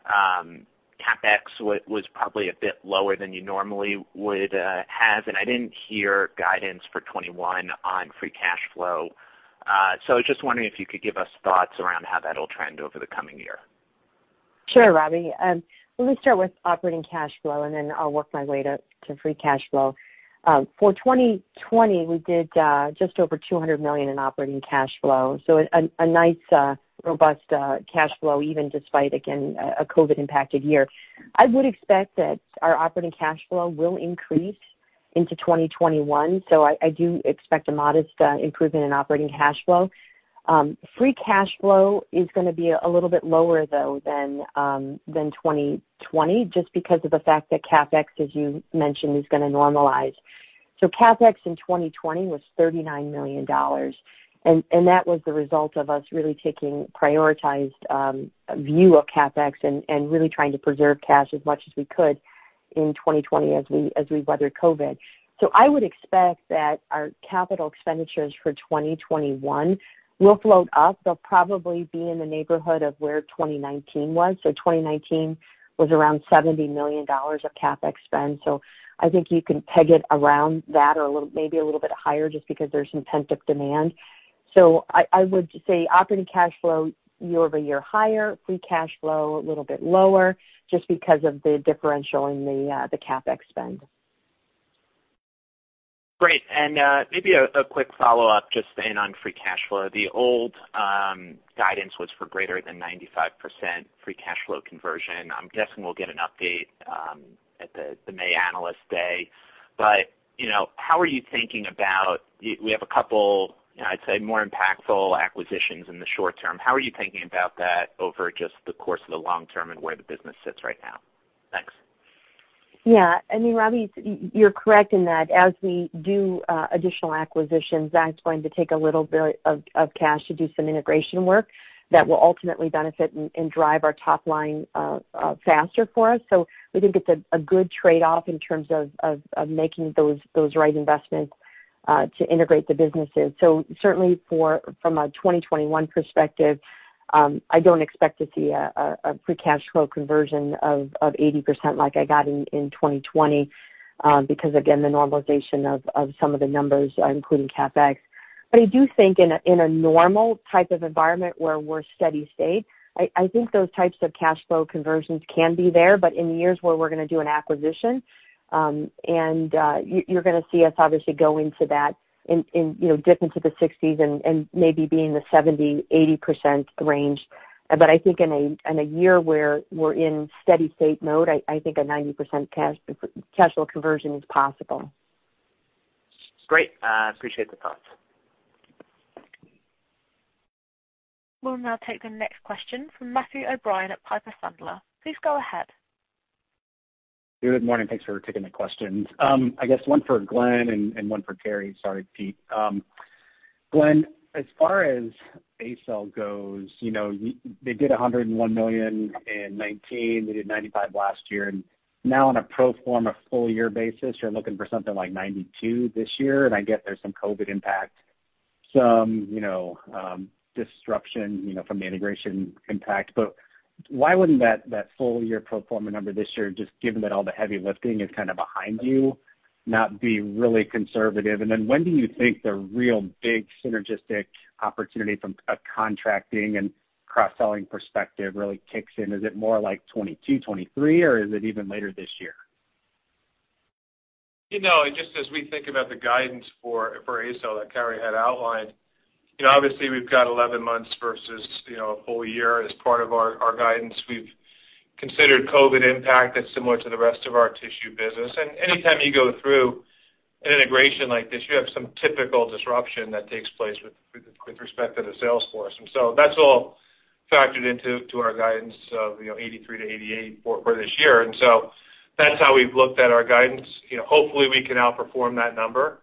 [SPEAKER 9] CapEx was probably a bit lower than you normally would have. I didn't hear guidance for 2021 on free cash flow. I was just wondering if you could give us thoughts around how that'll trend over the coming year.
[SPEAKER 4] Sure, Robbie. Let me start with operating cash flow, and then I'll work my way to free cash flow. For 2020, we did just over $200 million in operating cash flow. A nice, robust cash flow, even despite, again, a COVID-impacted year. I would expect that our operating cash flow will increase into 2021, so I do expect a modest improvement in operating cash flow. Free cash flow is going to be a little bit lower, though, than 2020, just because of the fact that CapEx, as you mentioned, is going to normalize. CapEx in 2020 was $39 million, and that was the result of us really taking a prioritized view of CapEx and really trying to preserve cash as much as we could in 2020 as we weathered COVID. I would expect that our capital expenditures for 2021 will float up. They'll probably be in the neighborhood of where 2019 was. 2019 was around $70 million of CapEx spend. I think you can peg it around that or maybe a little bit higher just because there's pent-up demand. I would say operating cash flow year-over-year higher, free cash flow a little bit lower, just because of the differential in the CapEx spend.
[SPEAKER 9] Great. Maybe a quick follow-up just in on free cash flow. The old guidance was for greater than 95% free cash flow conversion. I'm guessing we'll get an update at the May Analyst Day. How are you thinking about, we have a couple, I'd say more impactful acquisitions in the short term. How are you thinking about that over just the course of the long term and where the business sits right now? Thanks.
[SPEAKER 4] I mean, Robbie, you're correct in that as we do additional acquisitions, that's going to take a little bit of cash to do some integration work that will ultimately benefit and drive our top line faster for us. We think it's a good trade-off in terms of making those right investments to integrate the businesses. Certainly from a 2021 perspective, I don't expect to see a free cash flow conversion of 80% like I got in 2020 because, again, the normalization of some of the numbers, including CapEx. I do think in a normal type of environment where we're steady state, I think those types of cash flow conversions can be there. In years where we're going to do an acquisition, and you're going to see us obviously go into that and dip into the 60s and maybe be in the 70%, 80% range. I think in a year where we're in steady state mode, I think a 90% cash flow conversion is possible.
[SPEAKER 9] Great. Appreciate the thoughts.
[SPEAKER 1] We'll now take the next question from Matthew O'Brien at Piper Sandler. Please go ahead.
[SPEAKER 10] Good morning. Thanks for taking the questions. I guess one for Glenn and one for Carrie. Sorry, Pete. Glenn, as far as ACell goes, they did $101 million in 2019. They did $95 million last year. Now on a pro forma full-year basis, you're looking for something like $92 million this year, and I get there's some COVID impact, some disruption from the integration impact. But why wouldn't that full-year pro forma number this year, just given that all the heavy lifting is kind of behind you, not be really conservative? Then when do you think the real big synergistic opportunity from a contracting and cross-selling perspective really kicks in? Is it more like 2022, 2023, or is it even later this year?
[SPEAKER 5] Just as we think about the guidance for ACell that Carrie had outlined, obviously we've got 11 months versus a whole year as part of our guidance. We've considered COVID impact that's similar to the rest of our tissue business. Anytime you go through an integration like this, you have some typical disruption that takes place with respect to the sales force. That's all factored into our guidance of $83 million-$88 million for this year. That's how we've looked at our guidance. Hopefully, we can outperform that number.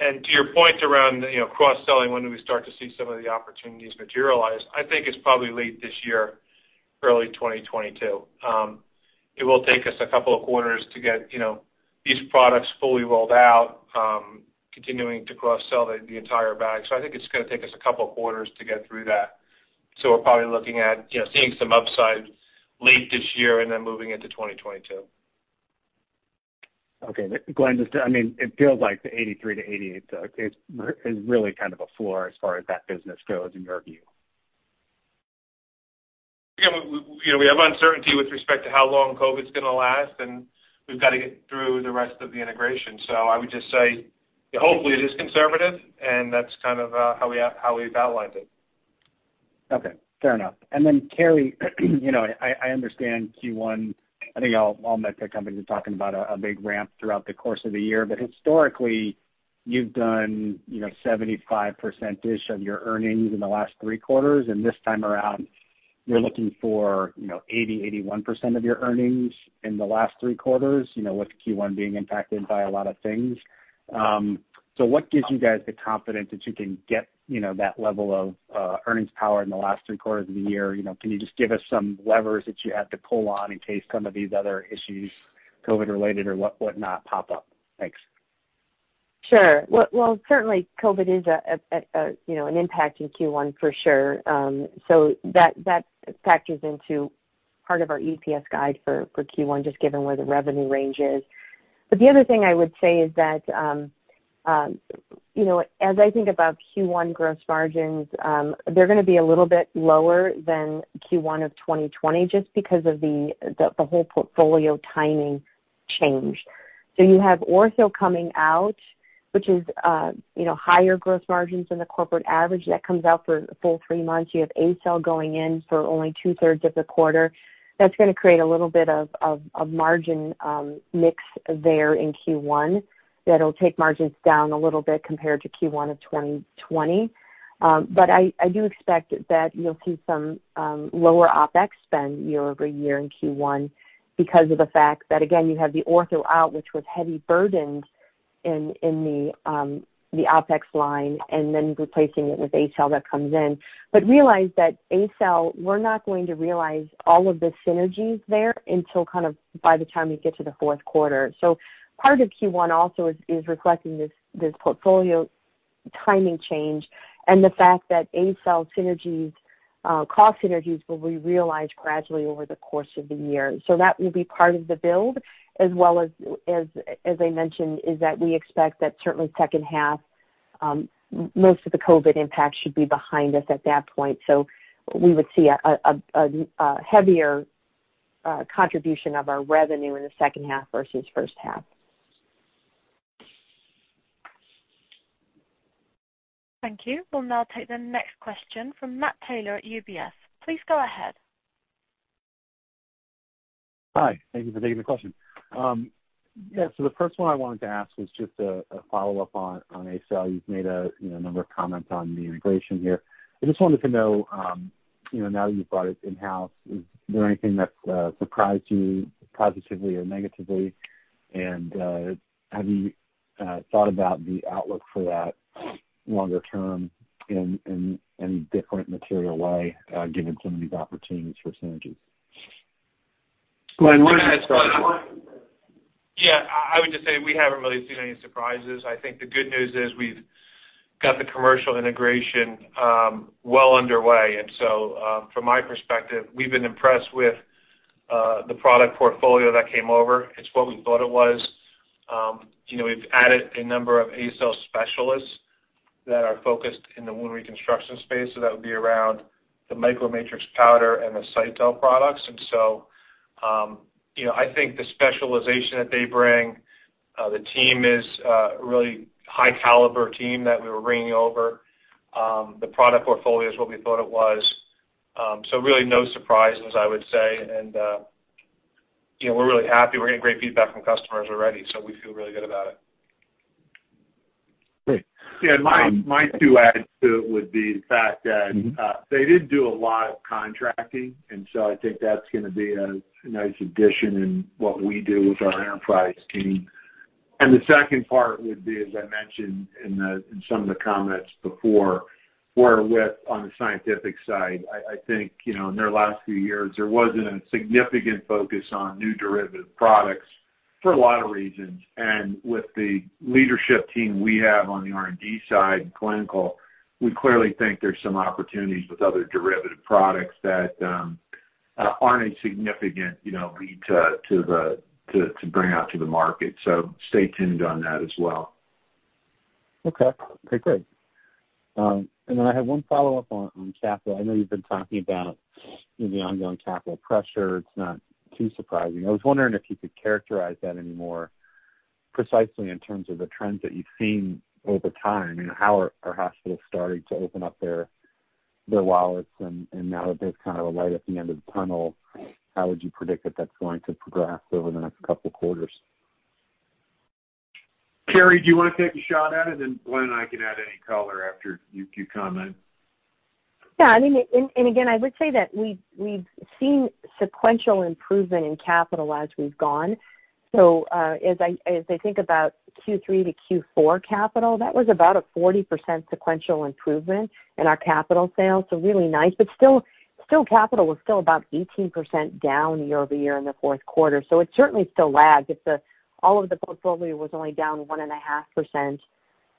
[SPEAKER 5] To your point around cross-selling, when do we start to see some of the opportunities materialize? I think it's probably late this year, early 2022. It will take us a couple of quarters to get these products fully rolled out, continuing to cross-sell the entire bag. I think it's going to take us a couple of quarters to get through that. We're probably looking at seeing some upside late this year and then moving into 2022.
[SPEAKER 10] Glenn, it feels like the 83-88 is really kind of a floor as far as that business goes in your view?
[SPEAKER 5] We have uncertainty with respect to how long COVID's going to last, and we've got to get through the rest of the integration. I would just say, hopefully it is conservative, and that's kind of how we've outlined it.
[SPEAKER 10] Okay. Fair enough. Carrie, I understand Q1, I think all medtech companies are talking about a big ramp throughout the course of the year, but historically, you've done 75%-ish of your earnings in the last three quarters, and this time around, you're looking for 80%, 81% of your earnings in the last three quarters, with Q1 being impacted by a lot of things. What gives you guys the confidence that you can get that level of earnings power in the last three quarters of the year? Can you just give us some levers that you have to pull on in case some of these other issues, COVID related or whatnot, pop up? Thanks.
[SPEAKER 4] Sure. Well, certainly COVID is an impact in Q1, for sure. That factors into part of our EPS guide for Q1, just given where the revenue range is. The other thing I would say is that, as I think about Q1 gross margins, they're going to be a little bit lower than Q1 of 2020, just because of the whole portfolio timing change. You have ortho coming out, which is higher gross margins than the corporate average that comes out for a full three months. You have ACell going in for only two-thirds of the quarter. That's going to create a little bit of a margin mix there in Q1 that'll take margins down a little bit compared to Q1 of 2020. I do expect that you'll see some lower OpEx spend year-over-year in Q1 because of the fact that, again, you have the ortho out, which was heavy burdened in the OpEx line, and then replacing it with ACell that comes in. Realize that ACell, we're not going to realize all of the synergies there until by the time we get to the fourth quarter. Part of Q1 also is reflecting this portfolio timing change and the fact that ACell synergies, cost synergies, will be realized gradually over the course of the year. That will be part of the build as well as I mentioned, is that we expect that certainly second half, most of the COVID impact should be behind us at that point. We would see a heavier contribution of our revenue in the second half versus first half.
[SPEAKER 1] Thank you. We'll now take the next question from Matt Taylor at UBS. Please go ahead.
[SPEAKER 11] Hi. Thank you for taking the question. The first one I wanted to ask was just a follow-up on ACell. You've made a number of comments on the integration here. I just wanted to know, now that you've brought it in-house, is there anything that surprised you positively or negatively? Have you thought about the outlook for that longer term in different material way given some of these opportunities for synergies?
[SPEAKER 3] Glenn, why don't you head start?
[SPEAKER 5] Yeah, I would just say we haven't really seen any surprises. I think the good news is we've got the commercial integration well underway. From my perspective, we've been impressed with the product portfolio that came over. It's what we thought it was. We've added a number of ACell specialists that are focused in the wound reconstruction space, so that would be around the MicroMatrix powder and the Cytal products. I think the specialization that they bring, the team is a really high-caliber team that we were bringing over. The product portfolio is what we thought it was. Really no surprises, I would say. We're really happy. We're getting great feedback from customers already, so we feel really good about it.
[SPEAKER 11] Great.
[SPEAKER 3] Yeah, my two adds to it would be the fact that they did do a lot of contracting, and so I think that's going to be a nice addition in what we do with our enterprise team. The second part would be, as I mentioned in some of the comments before, where with on the scientific side, I think in their last few years, there wasn't a significant focus on new derivative products for a lot of reasons. With the leadership team we have on the R&D side and clinical, we clearly think there's some opportunities with other derivative products that aren't a significant lead to bring out to the market. Stay tuned on that as well.
[SPEAKER 11] Okay. Great. I have one follow-up on capital. I know you've been talking about the ongoing capital pressure. It's not too surprising. I was wondering if you could characterize that any more precisely in terms of the trends that you've seen over time, how are hospitals starting to open up their wallets, now that there's kind of a light at the end of the tunnel, how would you predict that that's going to progress over the next couple of quarters?
[SPEAKER 3] Carrie, do you want to take a shot at it, and then Glenn and I can add any color after you comment?
[SPEAKER 4] Yeah. Again, I would say that we've seen sequential improvement in capital as we've gone. As I think about Q3 to Q4 capital, that was about a 40% sequential improvement in our capital sales, so really nice. Still capital was still about 18% down year-over-year in the fourth quarter. It certainly still lags. If all of the portfolio was only down 1.5%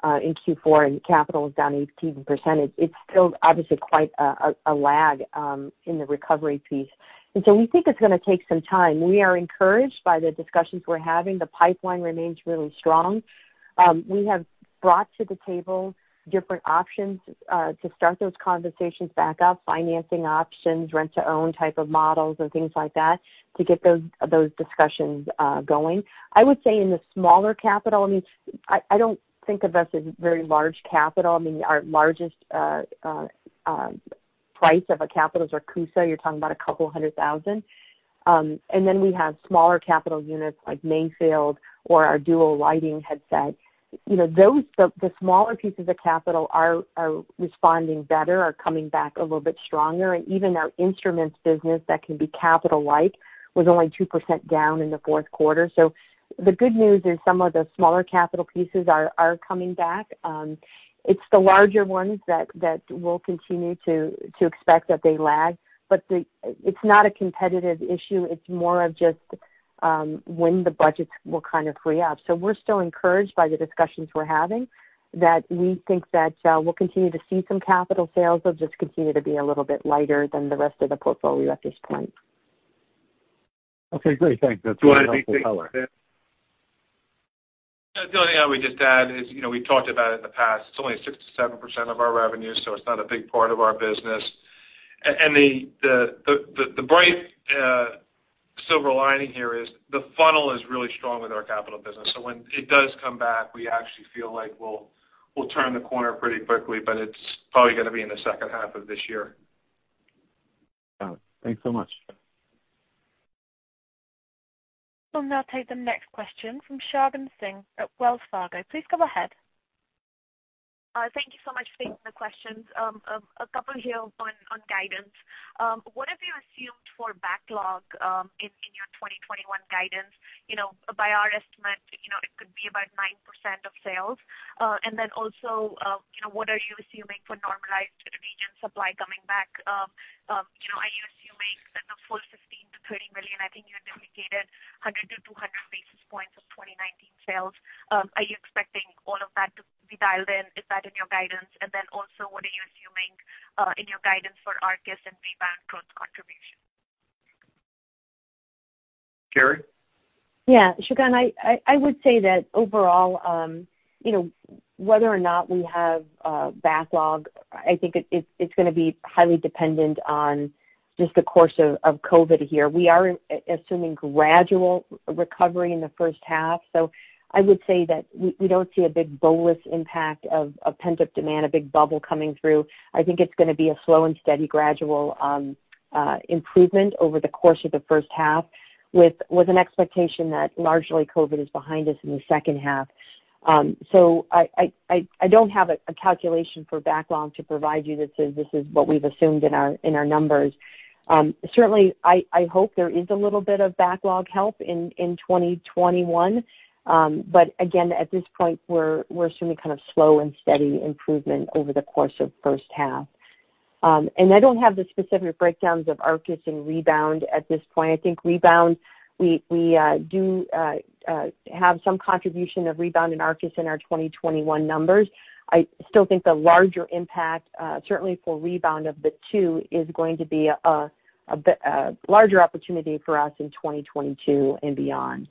[SPEAKER 4] in Q4 and capital was down 18%, it's still obviously quite a lag in the recovery piece. We think it's going to take some time. We are encouraged by the discussions we're having. The pipeline remains really strong. We have brought to the table different options to start those conversations back up, financing options, rent-to-own type of models and things like that to get those discussions going. I would say in the smaller capital, I don't think of us as very large capital. I mean, our largest price of a capital is our CUSA, you're talking about a couple hundred thousand. Then we have smaller capital units like MAYFIELD or our DUO lighting headset. The smaller pieces of capital are responding better, are coming back a little bit stronger. Even our instruments business, that can be capital-like, was only 2% down in the fourth quarter. The good news is some of the smaller capital pieces are coming back. It's the larger ones that we'll continue to expect that they lag. It's not a competitive issue. It's more of just when the budgets will kind of free up. We're still encouraged by the discussions we're having that we think that we'll continue to see some capital sales. They'll just continue to be a little bit lighter than the rest of the portfolio at this point.
[SPEAKER 11] Okay, great. Thanks. That's really helpful color.
[SPEAKER 3] Do you want to add anything to that?
[SPEAKER 5] The only thing I would just add is, we've talked about it in the past. It's only 6%-7% of our revenue, so it's not a big part of our business. The bright silver lining here is the funnel is really strong with our capital business. When it does come back, we actually feel like we'll turn the corner pretty quickly, but it's probably going to be in the second half of this year.
[SPEAKER 11] Got it. Thanks so much.
[SPEAKER 1] We'll now take the next question from Shagun Singh at Wells Fargo. Please go ahead.
[SPEAKER 12] Thank you so much for taking the questions. A couple here on guidance. What have you assumed for backlog in your 2021 guidance? By our estimate, it could be about 9% of sales. What are you assuming for normalized regen supply coming back? Are you assuming the full $15 million-$30 million? I think you had indicated 100-200 basis points of 2019 sales. Are you expecting all of that to be dialed in? Is that in your guidance? What are you assuming in your guidance for Arkis and Rebound growth contribution?
[SPEAKER 3] Carrie?
[SPEAKER 4] Yeah. Shagun, I would say that overall, whether or not we have a backlog, I think it's going to be highly dependent on just the course of COVID here. We are assuming gradual recovery in the first half. I would say that we don't see a big bolus impact of pent-up demand, a big bubble coming through. I think it's going to be a slow and steady gradual improvement over the course of the first half, with an expectation that largely COVID is behind us in the second half. I don't have a calculation for backlog to provide you that says this is what we've assumed in our numbers. Certainly, I hope there is a little bit of backlog help in 2021. Again, at this point, we're assuming kind of slow and steady improvement over the course of first half. I don't have the specific breakdowns of Arkis and Rebound at this point. I think Rebound, we do have some contribution of Rebound and Arkis in our 2021 numbers. I still think the larger impact, certainly for Rebound of the two, is going to be a larger opportunity for us in 2022 and beyond.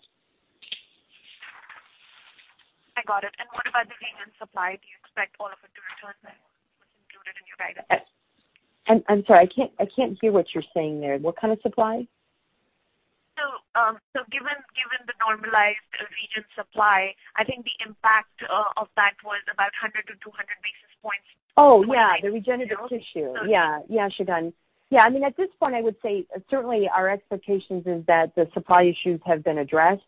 [SPEAKER 12] I got it. What about the regen supply? Do you expect all of it to return that was included in your guidance?
[SPEAKER 4] I'm sorry, I can't hear what you're saying there. What kind of supply?
[SPEAKER 12] Given the normalized regen supply, I think the impact of that was about 100-200 basis points.
[SPEAKER 4] Oh, yeah. The regenerative tissue. Yeah, Shagun. Yeah, I mean, at this point, I would say certainly our expectations is that the supply issues have been addressed,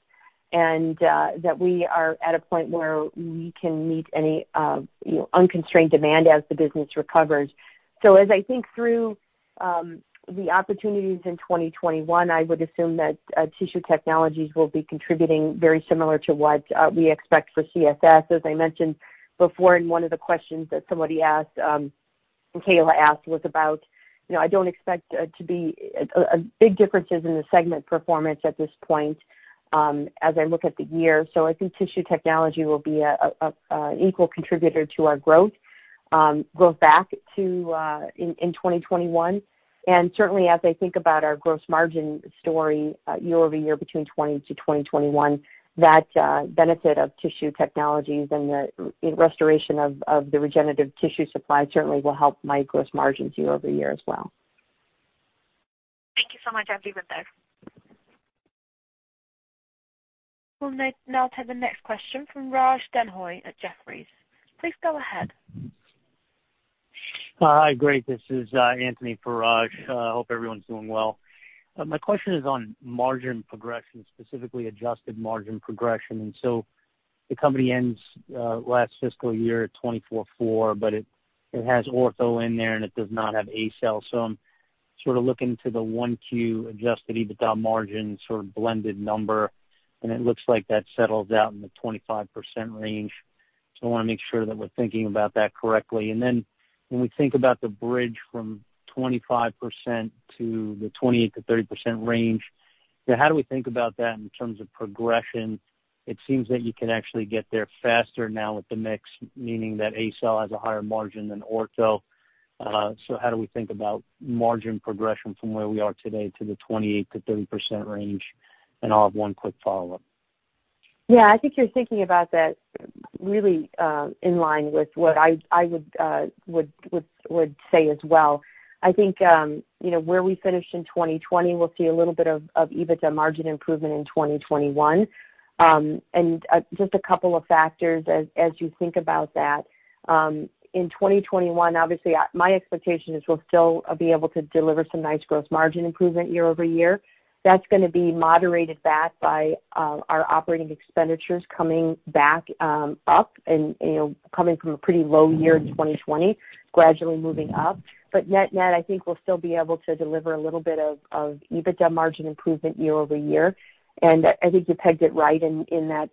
[SPEAKER 4] and that we are at a point where we can meet any unconstrained demand as the business recovers. As I think through the opportunities in 2021, I would assume that Tissue Technologies will be contributing very similar to what we expect for CSS. As I mentioned before in one of the questions that somebody asked, Kaila asked, was about I don't expect to be big differences in the segment performance at this point as I look at the year. I think tissue technology will be an equal contributor to our growth. Go back in 2021. Certainly as I think about our gross margin story year-over-year between 2020 to 2021, that benefit of Tissue Technologies and the restoration of the regenerative tissue supply certainly will help my gross margins year-over-year as well.
[SPEAKER 12] Thank you so much.
[SPEAKER 1] We'll now take the next question from Raj Denhoy at Jefferies. Please go ahead.
[SPEAKER 13] Hi, great. This is Anthony Petrone. Hope everyone's doing well. My question is on margin progression, specifically adjusted margin progression. The company ends last fiscal year at 24.4%, but it has ortho in there, and it does not have ACell. I'm sort of looking to the 1Q-adjusted EBITDA margin sort of blended number, and it looks like that settles out in the 25% range. I want to make sure that we're thinking about that correctly. When we think about the bridge from 25% to the 28%-30% range, how do we think about that in terms of progression? It seems that you can actually get there faster now with the mix, meaning that ACell has a higher margin than ortho. How do we think about margin progression from where we are today to the 28%-30% range? I'll have one quick follow-up.
[SPEAKER 4] Yeah, I think you're thinking about that really in line with what I would say as well. I think where we finished in 2020, we'll see a little bit of EBITDA margin improvement in 2021. Just a couple of factors as you think about that. In 2021, obviously, my expectation is we'll still be able to deliver some nice gross margin improvement year-over-year. That's going to be moderated back by our operating expenditures coming back up and coming from a pretty low year in 2020, gradually moving up. Net-net, I think we'll still be able to deliver a little bit of EBITDA margin improvement year-over-year. I think you pegged it right in that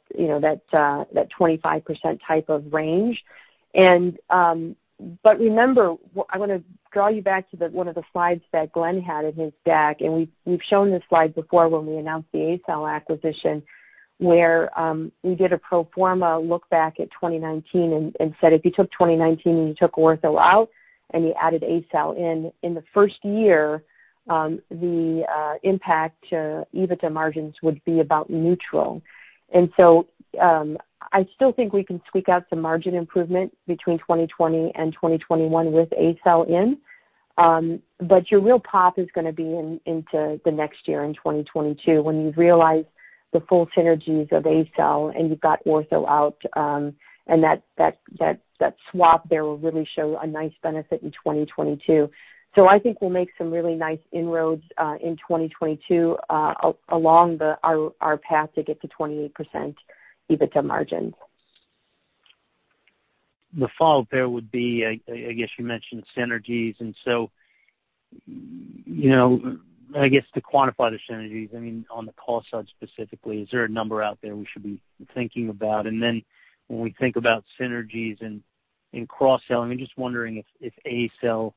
[SPEAKER 4] 25% type of range. Remember, I want to draw you back to one of the slides that Glenn had in his deck, and we've shown this slide before when we announced the ACell acquisition, where we did a pro forma look back at 2019 and said, if you took 2019 and you took ortho out and you added ACell in the first year, the impact to EBITDA margins would be about neutral. I still think we can tweak out some margin improvement between 2020 and 2021 with ACell in. Your real pop is going to be into the next year in 2022 when you realize the full synergies of ACell and you've got ortho out, and that swap there will really show a nice benefit in 2022. I think we'll make some really nice inroads in 2022 along our path to get to 28% EBITDA margins.
[SPEAKER 13] The follow-up there would be, I guess you mentioned synergies, and so I guess to quantify the synergies, on the cost side specifically, is there a number out there we should be thinking about? When we think about synergies and cross-sell, I'm just wondering if ACell,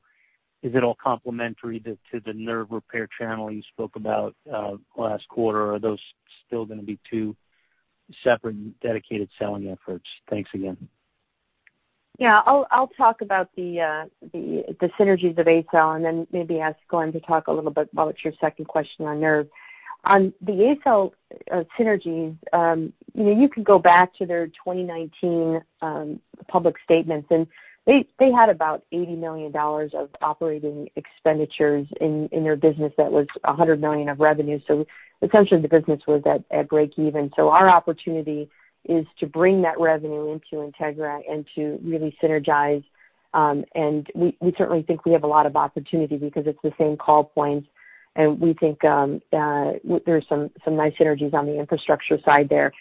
[SPEAKER 13] is it all complementary to the nerve repair channel you spoke about last quarter, or are those still going to be two separate dedicated selling efforts? Thanks again.
[SPEAKER 4] Yeah, I'll talk about the synergies of ACell and then maybe ask Glenn to talk a little bit about your second question on nerve. On the ACell synergies, you can go back to their 2019 public statements. They had about $80 million of operating expenditures in their business that was $100 million of revenue. Essentially, the business was at breakeven. Our opportunity is to bring that revenue into Integra and to really synergize. We certainly think we have a lot of opportunity because it's the same call points. We think there's some nice synergies on the infrastructure side there.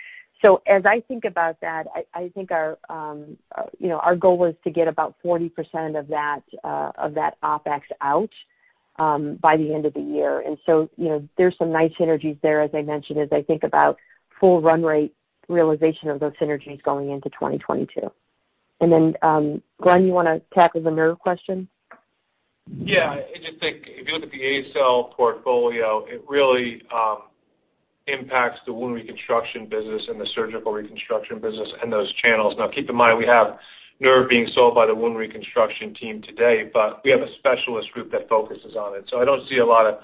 [SPEAKER 4] As I think about that, I think our goal was to get about 40% of that OpEx out by the end of the year. There's some nice synergies there, as I mentioned, as I think about full run rate realization of those synergies going into 2022. Glenn, you want to tackle the nerve question?
[SPEAKER 5] I just think if you look at the ACell portfolio, it really impacts the Wound Reconstruction business and the Surgical Reconstruction business and those channels. Keep in mind, we have nerve being sold by the Wound Reconstruction team today, but we have a specialist group that focuses on it. I don't see a lot of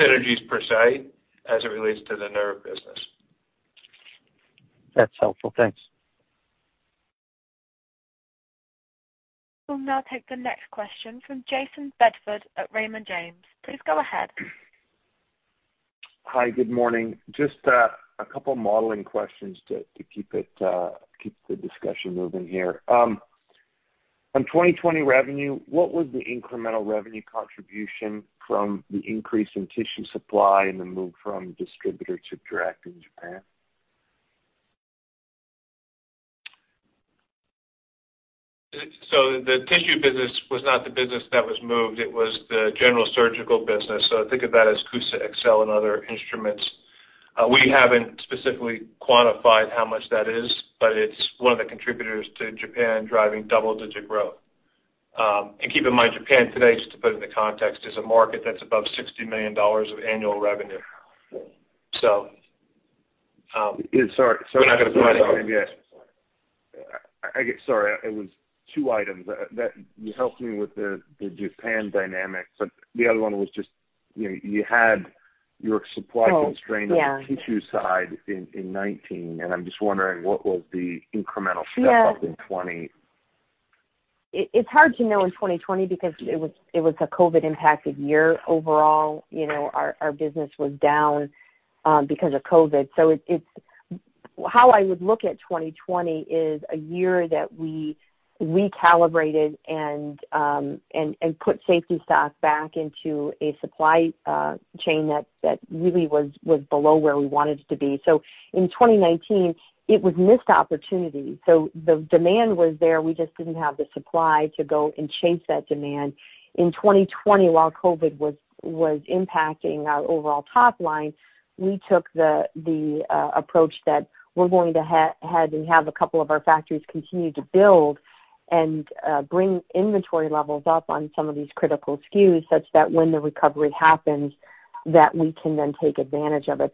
[SPEAKER 5] synergies per se as it relates to the nerve business.
[SPEAKER 13] That's helpful. Thanks.
[SPEAKER 1] We'll now take the next question from Jayson Bedford at Raymond James. Please go ahead.
[SPEAKER 14] Hi, good morning. Just a couple modeling questions to keep the discussion moving here. On 2020 revenue, what was the incremental revenue contribution from the increase in tissue supply and the move from distributor to direct in Japan?
[SPEAKER 5] The tissue business was not the business that was moved. It was the general surgical business. Think of that as CUSA Excel and other instruments. We haven't specifically quantified how much that is, but it's one of the contributors to Japan driving double-digit growth. Keep in mind, Japan today, just to put it into context, is a market that's above $60 million of annual revenue.
[SPEAKER 14] Sorry. It was two items. You helped me with the Japan dynamic, but the other one was just, you had your supply constraint-
[SPEAKER 4] Oh, yeah.
[SPEAKER 14] on the tissue side in 2019, and I'm just wondering what was the incremental step up in 2020?
[SPEAKER 4] It's hard to know in 2020 because it was a COVID-impacted year overall. Our business was down because of COVID. How I would look at 2020 is a year that we recalibrated and put safety stock back into a supply chain that really was below where we wanted it to be. In 2019, it was missed opportunity. The demand was there, we just didn't have the supply to go and chase that demand. In 2020, while COVID was impacting our overall top line, we took the approach that we're going to head and have a couple of our factories continue to build and bring inventory levels up on some of these critical SKUs, such that when the recovery happens, that we can then take advantage of it.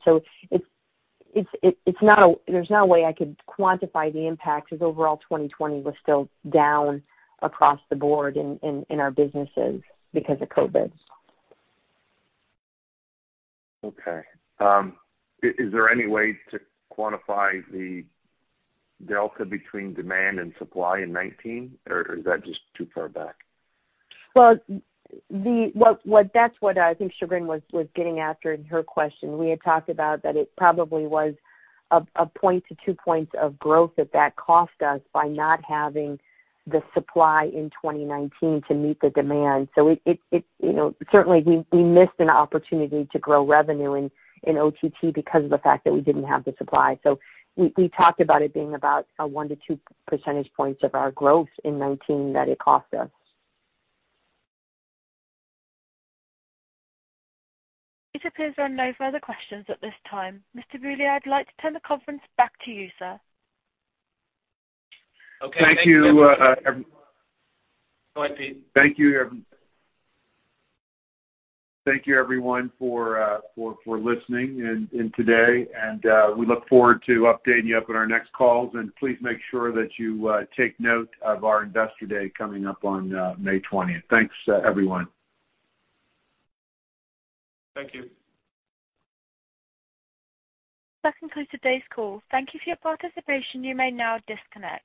[SPEAKER 4] There's no way I could quantify the impact, because overall 2020 was still down across the board in our businesses because of COVID.
[SPEAKER 14] Okay. Is there any way to quantify the delta between demand and supply in 2019, or is that just too far back?
[SPEAKER 4] Well, that's what I think Shagun was getting after in her question. We had talked about that it probably was a point to two points of growth that cost us by not having the supply in 2019 to meet the demand. Certainly, we missed an opportunity to grow revenue in OTT because of the fact that we didn't have the supply. We talked about it being about 1-2 percentage points of our growth in 2019 that it cost us.
[SPEAKER 1] It appears there are no further questions at this time. Mr. Beaulieu, I'd like to turn the conference back to you, sir.
[SPEAKER 2] Okay. Thank you, everyone.
[SPEAKER 3] Thank you.
[SPEAKER 2] Go ahead, Pete.
[SPEAKER 3] Thank you, everyone, for listening in today. We look forward to updating you up on our next calls. Please make sure that you take note of our investor day coming up on May 20th. Thanks, everyone.
[SPEAKER 2] Thank you.
[SPEAKER 1] That concludes today's call. Thank you for your participation. You may now disconnect.